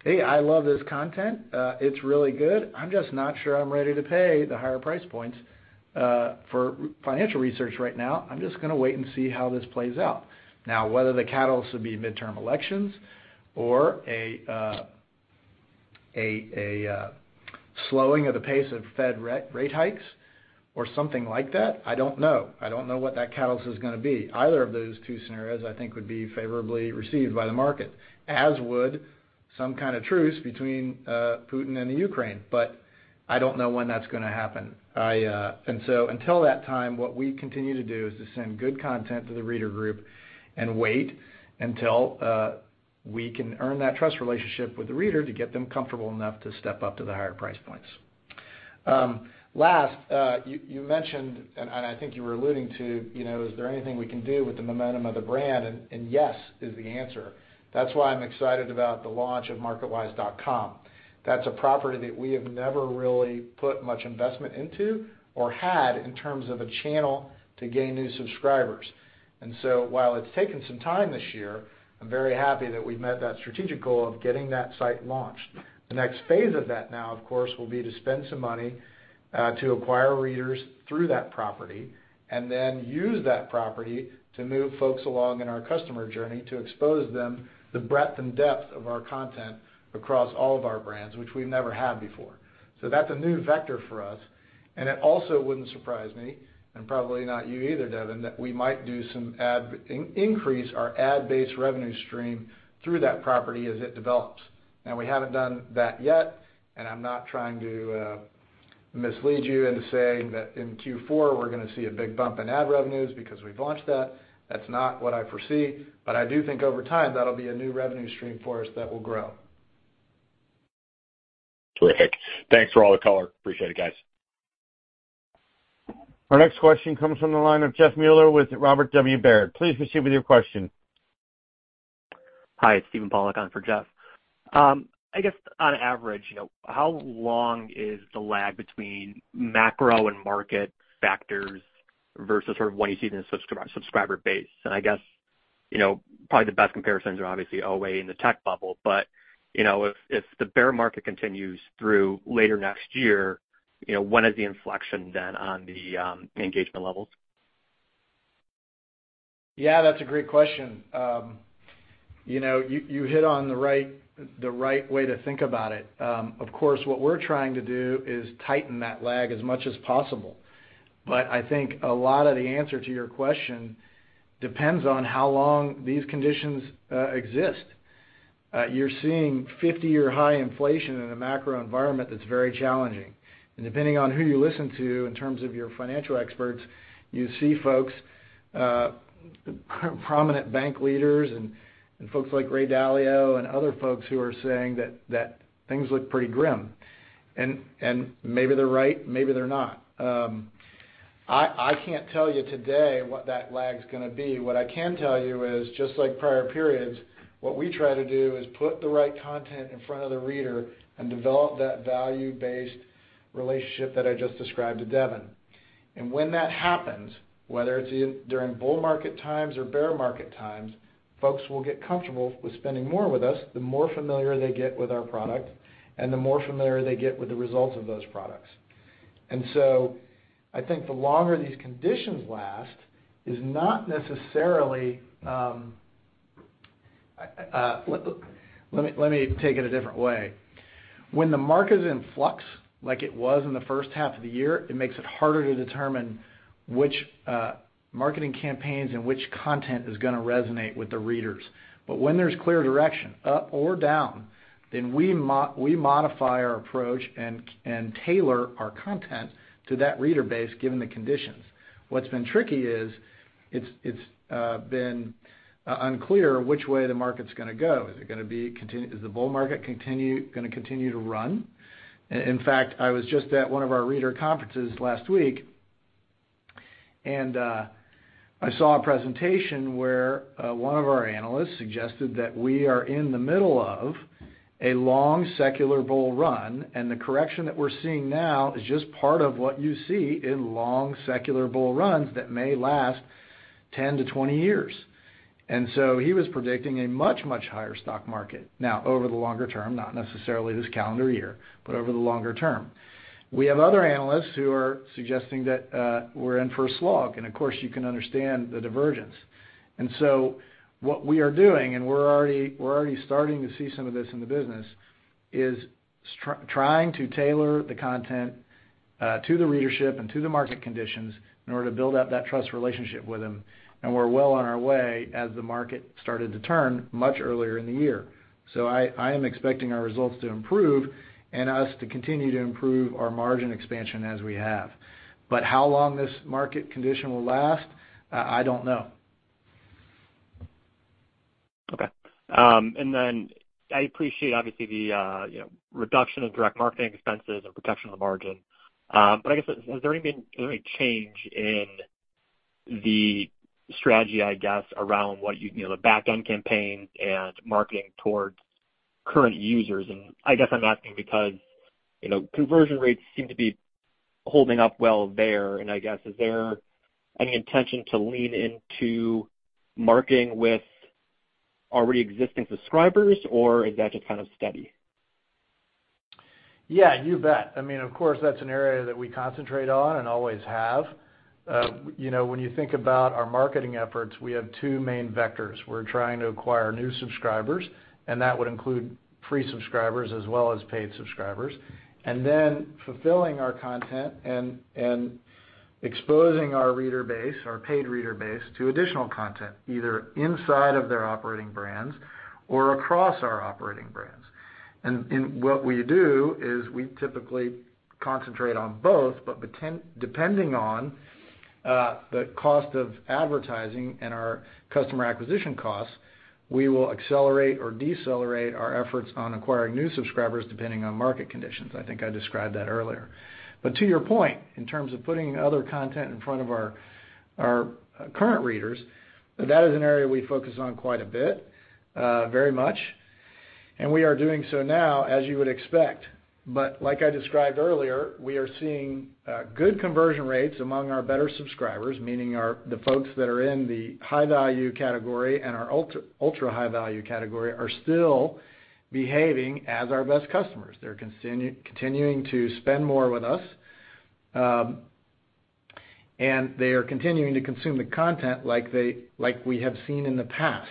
"Hey, I love this content. It's really good. I'm just not sure I'm ready to pay the higher price points for financial research right now. I'm just gonna wait and see how this plays out." Now, whether the catalyst would be midterm elections or a slowing of the pace of Fed rate hikes or something like that, I don't know. I don't know what that catalyst is gonna be. Either of those two scenarios I think would be favorably received by the market, as would some kind of truce between Putin and Ukraine, but I don't know when that's gonna happen. Until that time, what we continue to do is to send good content to the reader group and wait until we can earn that trust relationship with the reader to get them comfortable enough to step up to the higher price points. Last, you mentioned, and I think you were alluding to, you know, is there anything we can do with the momentum of the brand? And yes is the answer. That's why I'm excited about the launch of MarketWise.com. That's a property that we have never really put much investment into or had in terms of a channel to gain new subscribers. While it's taken some time this year, I'm very happy that we met that strategic goal of getting that site launched. The next phase of that now, of course, will be to spend some money to acquire readers through that property and then use that property to move folks along in our customer journey to expose them the breadth and depth of our content across all of our brands, which we've never had before. That's a new vector for us, and it also wouldn't surprise me, and probably not you either, Devin, that we might do some increase our ad-based revenue stream through that property as it develops. Now we haven't done that yet, and I'm not trying to mislead you into saying that in Q4 we're gonna see a big bump in ad revenues because we've launched that. That's not what I foresee, but I do think over time, that'll be a new revenue stream for us that will grow. Terrific. Thanks for all the color. Appreciate it, guys. Our next question comes from the line of Jeffrey Meuler with Robert W. Baird. Please proceed with your question. Hi, it's Steven Pawliczek for Jeff Meuler. I guess on average, you know, how long is the lag between macro and market factors versus sort of what you see in the subscriber base? I guess, you know, probably the best comparisons are obviously GFC and the tech bubble. You know, if the bear market continues through later next year, you know, when is the inflection then on the engagement levels? Yeah, that's a great question. You know, you hit on the right way to think about it. Of course, what we're trying to do is tighten that lag as much as possible. I think a lot of the answer to your question depends on how long these conditions exist. You're seeing 50-year high inflation in a macro environment that's very challenging. Depending on who you listen to in terms of your financial experts, you see folks, prominent bank leaders and folks like Ray Dalio and other folks who are saying that things look pretty grim. Maybe they're right, maybe they're not. I can't tell you today what that lag's gonna be. What I can tell you is just like prior periods, what we try to do is put the right content in front of the reader and develop that value-based relationship that I just described to Devin. When that happens, whether it's during bull market times or bear market times, folks will get comfortable with spending more with us, the more familiar they get with our product and the more familiar they get with the results of those products. I think the longer these conditions last is not necessarily, let me take it a different way. When the market is in flux like it was in the first half of the year, it makes it harder to determine which marketing campaigns and which content is gonna resonate with the readers. When there's clear direction, up or down, then we modify our approach and tailor our content to that reader base given the conditions. What's been tricky is it's been unclear which way the market's gonna go. Is the bull market gonna continue to run? In fact, I was just at one of our reader conferences last week, and I saw a presentation where one of our analysts suggested that we are in the middle of a long secular bull run, and the correction that we're seeing now is just part of what you see in long secular bull runs that may last 10-20 years. He was predicting a much higher stock market now over the longer term, not necessarily this calendar year, but over the longer term. We have other analysts who are suggesting that, we're in for a slog, and of course, you can understand the divergence. What we are doing, and we're already starting to see some of this in the business, is trying to tailor the content, to the readership and to the market conditions in order to build up that trust relationship with them. We're well on our way as the market started to turn much earlier in the year. I am expecting our results to improve and us to continue to improve our margin expansion as we have. How long this market condition will last, I don't know. Okay. I appreciate obviously the, you know, reduction of direct marketing expenses and protection of the margin. I guess has there been any change in the strategy, I guess, around the backend campaigns and marketing towards current users. I guess I'm asking because, you know, conversion rates seem to be holding up well there. I guess, is there any intention to lean into marketing with already existing subscribers, or is that just kind of steady? Yeah, you bet. I mean, of course, that's an area that we concentrate on and always have. You know, when you think about our marketing efforts, we have two main vectors. We're trying to acquire new subscribers, and that would include free subscribers as well as paid subscribers. Then fulfilling our content and exposing our reader base, our paid reader base, to additional content, either inside of their operating brands or across our operating brands. What we do is we typically concentrate on both, but depending on the cost of advertising and our customer acquisition costs, we will accelerate or decelerate our efforts on acquiring new subscribers depending on market conditions. I think I described that earlier. To your point, in terms of putting other content in front of our current readers, that is an area we focus on quite a bit, very much. We are doing so now as you would expect. Like I described earlier, we are seeing good conversion rates among our better subscribers, meaning the folks that are in the high-value category and our ultra-high-value category are still behaving as our best customers. They're continuing to spend more with us, and they are continuing to consume the content like we have seen in the past.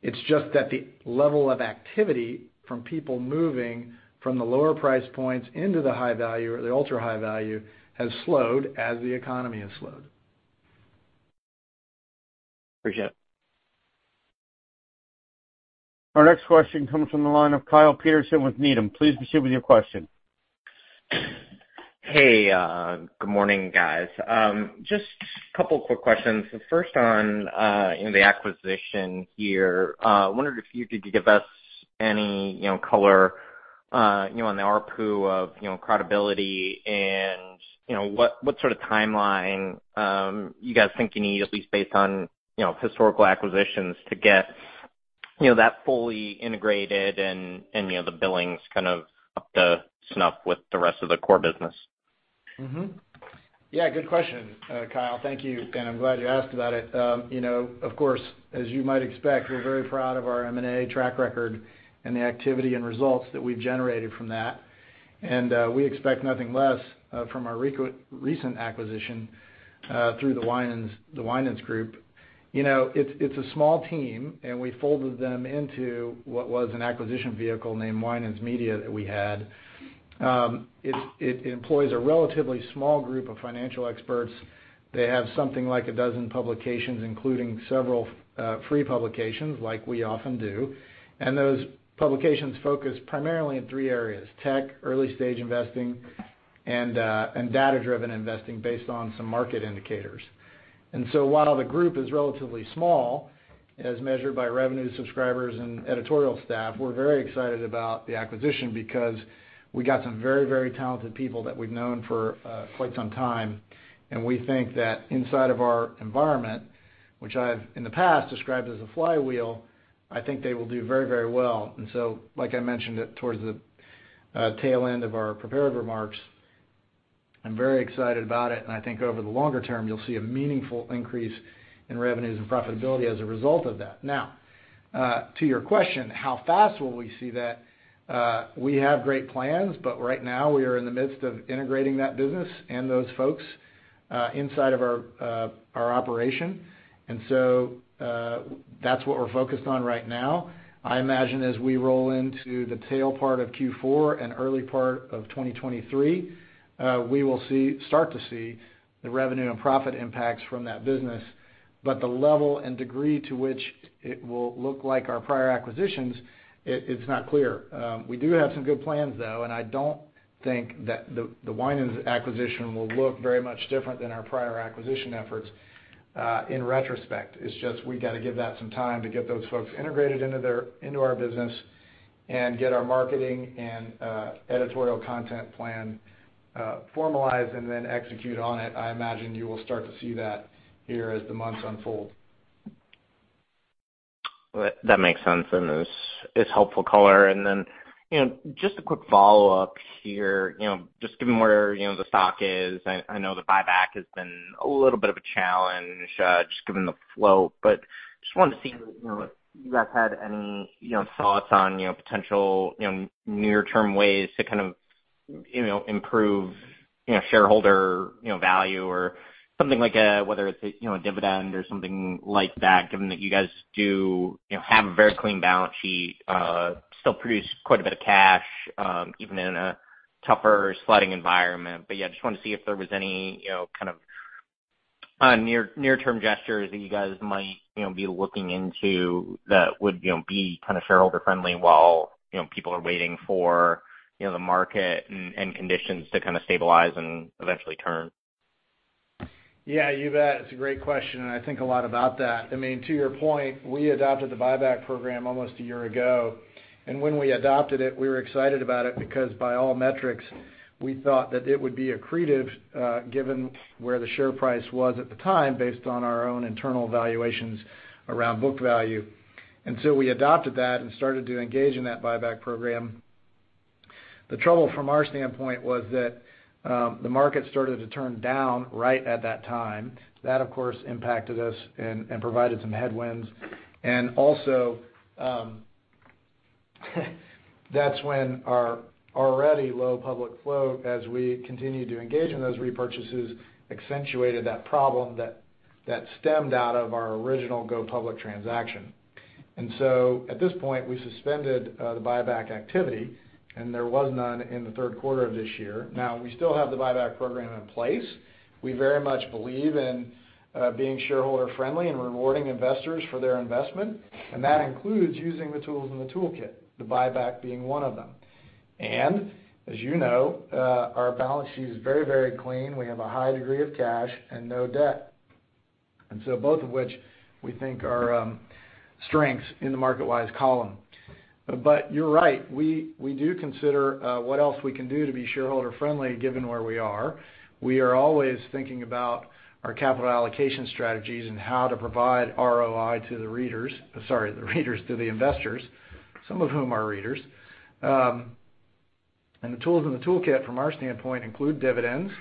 It's just that the level of activity from people moving from the lower price points into the high-value or the ultra-high-value has slowed as the economy has slowed. Appreciate it. Our next question comes from the line of Kyle Peterson with Needham. Please proceed with your question. Hey, good morning, guys. Just a couple quick questions. The first on, you know, the acquisition here, wondered if you could give us any, you know, color, you know, on the ARPU of, you know, the acquired entity and, you know, what sort of timeline, you guys think you need, at least based on, you know, historical acquisitions to get, you know, that fully integrated and, you know, the billings kind of up to snuff with the rest of the core business? Yeah, good question, Kyle. Thank you. I'm glad you asked about it. You know, of course, as you might expect, we're very proud of our M&A track record and the activity and results that we've generated from that. We expect nothing less from our recent acquisition through the Winans, the Winans group. You know, it's a small team, and we folded them into what was an acquisition vehicle named Winans Media that we had. It employs a relatively small group of financial experts. They have something like a dozen publications, including several free publications like we often do. Those publications focus primarily in three areas, tech, early-stage investing, and data-driven investing based on some market indicators. While the group is relatively small, as measured by revenue, subscribers and editorial staff, we're very excited about the acquisition because we got some very, very talented people that we've known for quite some time. We think that inside of our environment, which I've in the past described as a flywheel, I think they will do very, very well. Like I mentioned it towards the tail end of our prepared remarks, I'm very excited about it, and I think over the longer term, you'll see a meaningful increase in revenues and profitability as a result of that. Now, to your question, how fast will we see that? We have great plans, but right now we are in the midst of integrating that business and those folks inside of our operation. That's what we're focused on right now. I imagine as we roll into the tail part of Q4 and early part of 2023, we will start to see the revenue and profit impacts from that business. The level and degree to which it will look like our prior acquisitions, it's not clear. We do have some good plans though, and I don't think that the Winans acquisition will look very much different than our prior acquisition efforts, in retrospect. It's just we've got to give that some time to get those folks integrated into our business and get our marketing and editorial content plan formalized and then execute on it. I imagine you will start to see that here as the months unfold. That makes sense, and it's helpful color. You know, just a quick follow-up here, you know, just given where, you know, the stock is, I know the buyback has been a little bit of a challenge, just given the low. Just wanted to see, you know, if you guys had any, you know, thoughts on, you know, potential, you know, near-term ways to kind of, you know, improve, you know, shareholder, you know, value or something like, whether it's a, you know, dividend or something like that, given that you guys do, you know, have a very clean balance sheet, still produce quite a bit of cash, even in a tougher spending environment. Yeah, just wanted to see if there was any, you know, kind of near-term gestures that you guys might, you know, be looking into that would, you know, be kind of shareholder friendly while, you know, people are waiting for, you know, the market and conditions to kind of stabilize and eventually turn. Yeah, you bet. It's a great question, and I think a lot about that. I mean, to your point, we adopted the buyback program almost a year ago. When we adopted it, we were excited about it because by all metrics, we thought that it would be accretive, given where the share price was at the time based on our own internal valuations around book value. We adopted that and started to engage in that buyback program. The trouble from our standpoint was that, the market started to turn down right at that time. That, of course, impacted us and provided some headwinds. That's when our already low public float, as we continued to engage in those repurchases, accentuated that problem that stemmed out of our original go public transaction. At this point, we suspended the buyback activity, and there was none in the third quarter of this year. Now, we still have the buyback program in place. We very much believe in being shareholder friendly and rewarding investors for their investment, and that includes using the tools in the toolkit, the buyback being one of them. As you know, our balance sheet is very, very clean. We have a high degree of cash and no debt. Both of which we think are strengths in the MarketWise column. You're right, we do consider what else we can do to be shareholder friendly, given where we are. We are always thinking about our capital allocation strategies and how to provide ROI to the readers. Sorry, the readers, to the investors, some of whom are readers. The tools in the toolkit from our standpoint include dividends,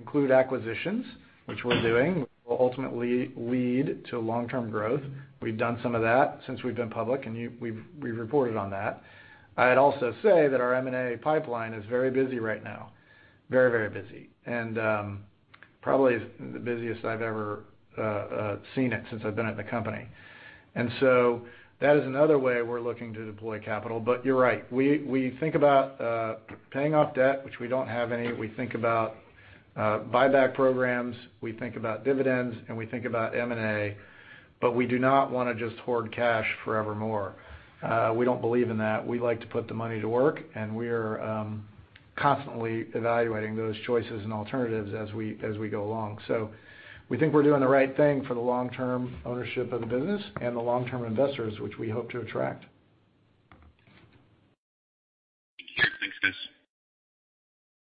acquisitions, which we're doing, will ultimately lead to long-term growth. We've done some of that since we've been public. We've reported on that. I'd also say that our M&A pipeline is very busy right now. Very, very busy. Probably the busiest I've ever seen it since I've been at the company. That is another way we're looking to deploy capital. You're right. We think about paying off debt, which we don't have any. We think about buyback programs, we think about dividends, and we think about M&A, but we do not wanna just hoard cash forevermore. We don't believe in that. We like to put the money to work, and we're constantly evaluating those choices and alternatives as we go along. We think we're doing the right thing for the long-term ownership of the business and the long-term investors, which we hope to attract. Thank you. Thanks,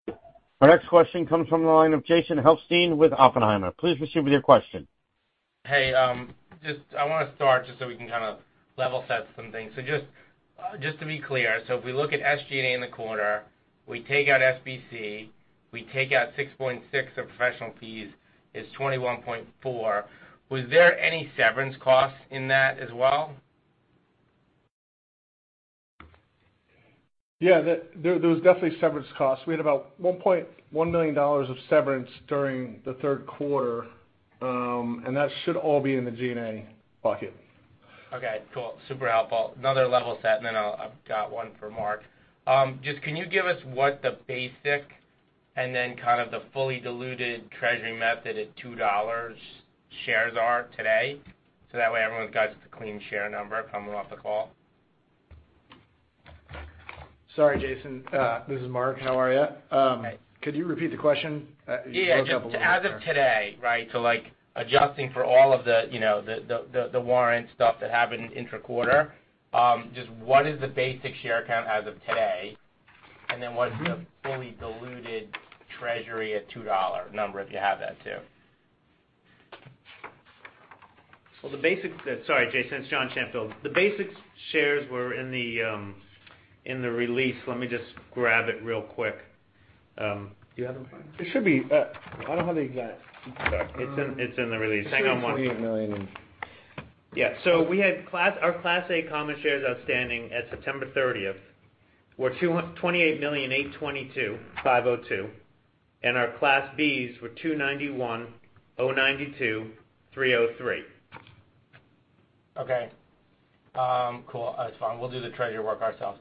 guys. Our next question comes from the line of Jason Helfstein with Oppenheimer. Please proceed with your question. Hey, just I wanna start just so we can kind of level set some things. Just to be clear, if we look at SG&A in the quarter, we take out SBC, we take out $6.6 of professional fees, it's $21.4. Was there any severance costs in that as well? Yeah, there was definitely severance costs. We had about $1.1 million of severance during the third quarter, and that should all be in the G&A bucket. Okay, cool. Super helpful. Another level set, and then I've got one for Mark. Just can you give us what the basic and then kind of the fully diluted treasury method at $2 shares are today? That way, everyone's got the clean share number coming off the call. Sorry, Jason. This is Mark. How are you? Hi. Could you repeat the question? You broke up a little bit there. Yeah. Just as of today, right? Like adjusting for all of the, you know, the warrant stuff that happened intra-quarter, just what is the basic share count as of today? Mm-hmm. What's the fully diluted treasury at $2 number, if you have that too? Sorry, Jason, it's Jonathan Shanfield. The basic shares were in the release. Let me just grab it real quick. Do you have them? It should be, I don't have the exact. Sorry. It's in the release. Hang on one second. It's $288 million. Our Class A common shares outstanding at September 30 were 28,822,502, and our Class B shares were 291,092,303. Okay. Cool. That's fine. We'll do the treasury work ourselves.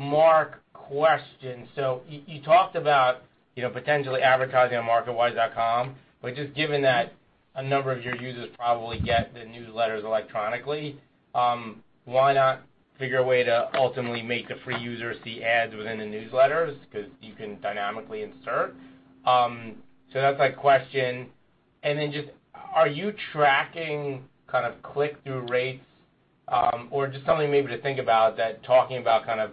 Mark, question. You talked about, you know, potentially advertising on MarketWise.com. Just given that a number of your users probably get the newsletters electronically, why not figure a way to ultimately make the free users see ads within the newsletters 'cause you can dynamically insert? That's my question. Are you tracking kind of click-through rates? Or just something maybe to think about that talking about kind of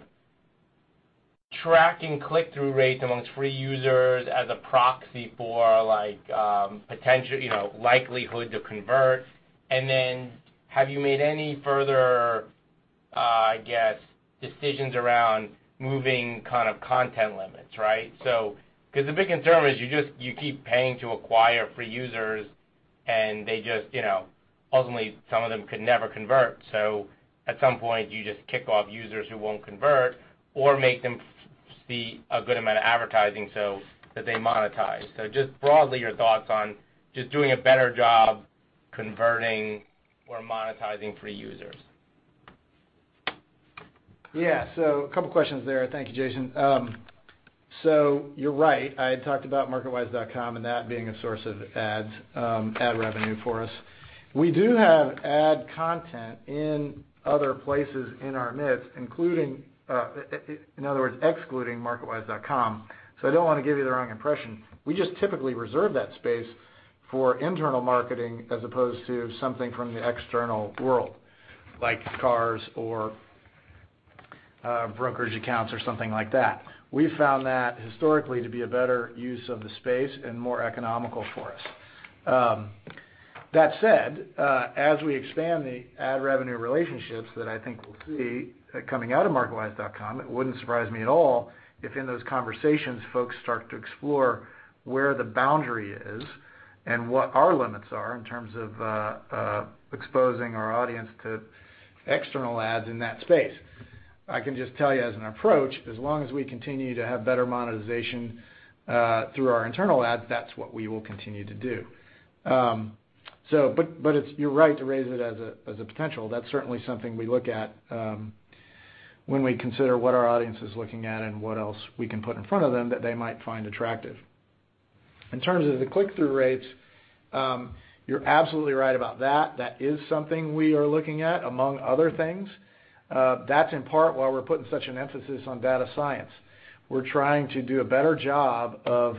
tracking click-through rates amongst free users as a proxy for like, potential, you know, likelihood to convert. Have you made any further, I guess, decisions around moving kind of content limits, right? 'Cause the big concern is you keep paying to acquire free users and they just, you know, ultimately some of them could never convert. At some point, you just kick off users who won't convert or make them see a good amount of advertising so that they monetize. Just broadly, your thoughts on just doing a better job converting or monetizing free users. Yeah. A couple questions there. Thank you, Jason. You're right. I had talked about MarketWise.com and that being a source of ads, ad revenue for us. We do have ad content in other places in our mix, including, in other words, excluding MarketWise.com, I don't wanna give you the wrong impression. We just typically reserve that space for internal marketing as opposed to something from the external world, like cars or brokerage accounts or something like that. We've found that historically to be a better use of the space and more economical for us. That said, as we expand the ad revenue relationships that I think we'll see coming out of MarketWise.com, it wouldn't surprise me at all if in those conversations, folks start to explore where the boundary is and what our limits are in terms of exposing our audience to external ads in that space. I can just tell you as an approach, as long as we continue to have better monetization through our internal ads, that's what we will continue to do. You're right to raise it as a potential. That's certainly something we look at when we consider what our audience is looking at and what else we can put in front of them that they might find attractive. In terms of the click-through rates, you're absolutely right about that. That is something we are looking at, among other things. That's in part why we're putting such an emphasis on data science. We're trying to do a better job of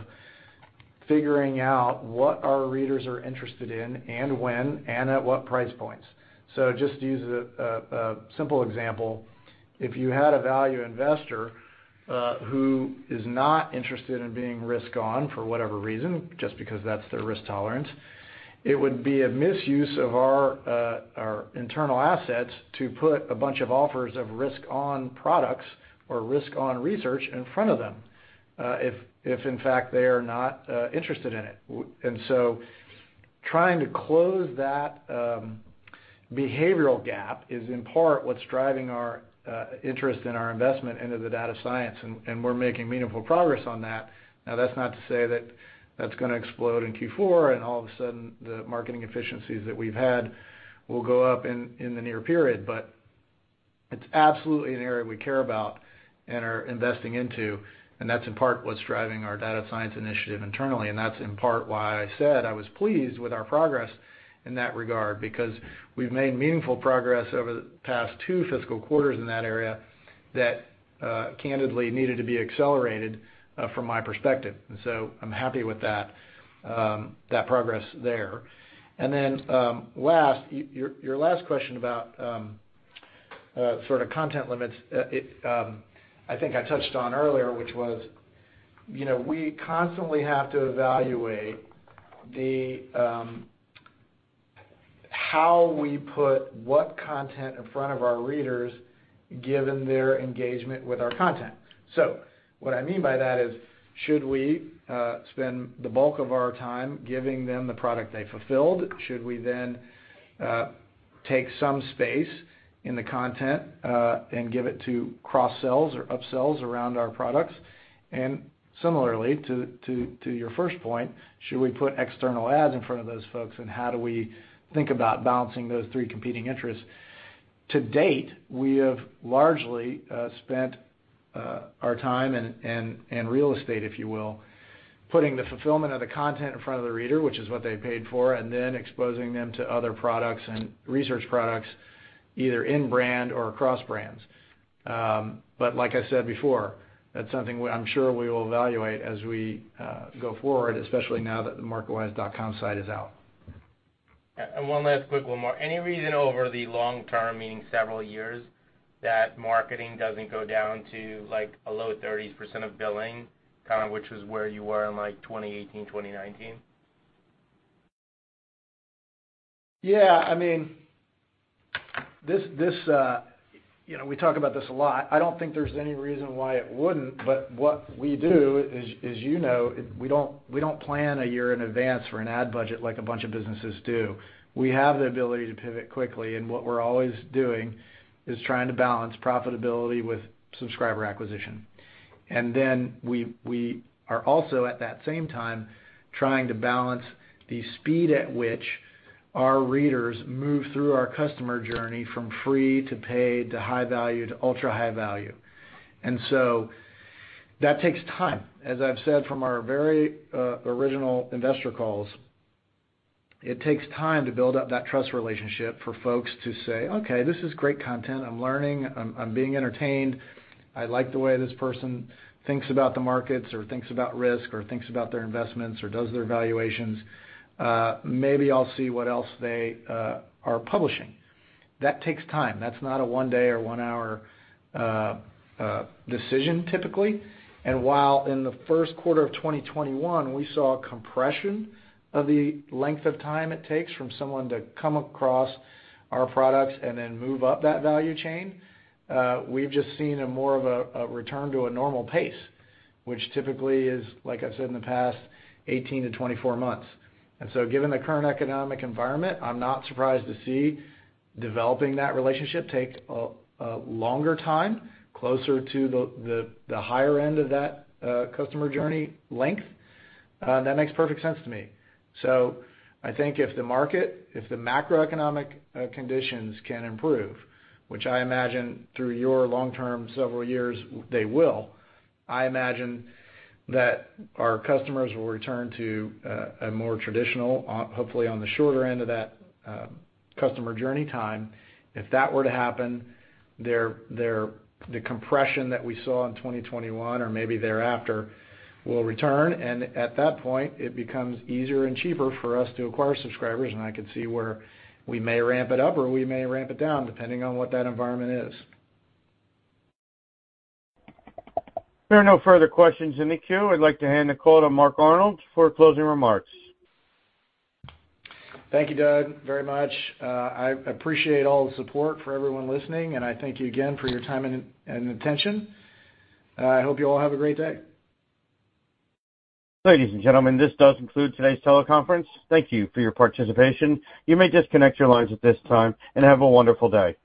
figuring out what our readers are interested in and when and at what price points. Just to use a simple example, if you had a value investor who is not interested in being risk on for whatever reason, just because that's their risk tolerance, it would be a misuse of our internal assets to put a bunch of offers of risk on products or risk on research in front of them, if in fact they are not interested in it. Trying to close that behavioral gap is in part what's driving our interest and our investment into the data science, and we're making meaningful progress on that. Now, that's not to say that that's gonna explode in Q4, and all of a sudden, the marketing efficiencies that we've had will go up in the near period. It's absolutely an area we care about and are investing into, and that's in part what's driving our data science initiative internally. That's in part why I said I was pleased with our progress in that regard, because we've made meaningful progress over the past two fiscal quarters in that area that candidly needed to be accelerated from my perspective. I'm happy with that progress there. Last, your last question about sort of content limits. I think I touched on earlier, which was, you know, we constantly have to evaluate how we put what content in front of our readers given their engagement with our content. So what I mean by that is should we spend the bulk of our time giving them the product they fulfilled? Should we then take some space in the content and give it to cross-sells or upsells around our products? Similarly to your first point, should we put external ads in front of those folks, and how do we think about balancing those three competing interests? To date, we have largely spent our time and real estate, if you will, putting the fulfillment of the content in front of the reader, which is what they paid for, and then exposing them to other products and research products, either in brand or across brands. Like I said before, that's something I'm sure we will evaluate as we go forward, especially now that the MarketWise.com site is out. Yeah. One last quick one more. Any reason over the long term, meaning several years, that marketing doesn't go down to, like, a low 30s% of billing, kind of which is where you were in, like, 2018, 2019? Yeah. I mean, this, you know, we talk about this a lot. I don't think there's any reason why it wouldn't, but what we do is, you know, we don't plan a year in advance for an ad budget like a bunch of businesses do. We have the ability to pivot quickly, and what we're always doing is trying to balance profitability with subscriber acquisition. We are also at that same time trying to balance the speed at which our readers move through our customer journey from free to paid to high value to ultra-high value. That takes time. As I've said from our very original investor calls, it takes time to build up that trust relationship for folks to say, "Okay, this is great content. I'm learning. I'm being entertained. I like the way this person thinks about the markets or thinks about risk or thinks about their investments or does their valuations. Maybe I'll see what else they are publishing. That takes time. That's not a one day or one hour decision typically. While in the first quarter of 2021, we saw a compression of the length of time it takes from someone to come across our products and then move up that value chain, we've just seen more of a return to a normal pace, which typically is, like I said, in the past 18-24 months. Given the current economic environment, I'm not surprised to see developing that relationship take a longer time closer to the higher end of that customer journey length. That makes perfect sense to me. I think if the market, if the macroeconomic conditions can improve, which I imagine through your long-term several years, they will. I imagine that our customers will return to a more traditional, hopefully on the shorter end of that, customer journey time. If that were to happen, the compression that we saw in 2021 or maybe thereafter will return. At that point, it becomes easier and cheaper for us to acquire subscribers, and I could see where we may ramp it up or we may ramp it down depending on what that environment is. There are no further questions in the queue. I'd like to hand the call to Mark Arnold for closing remarks. Thank you, Doug, very much. I appreciate all the support for everyone listening, and I thank you again for your time and attention. I hope you all have a great day. Ladies and gentlemen, this does conclude today's teleconference. Thank you for your participation. You may disconnect your lines at this time, and have a wonderful day.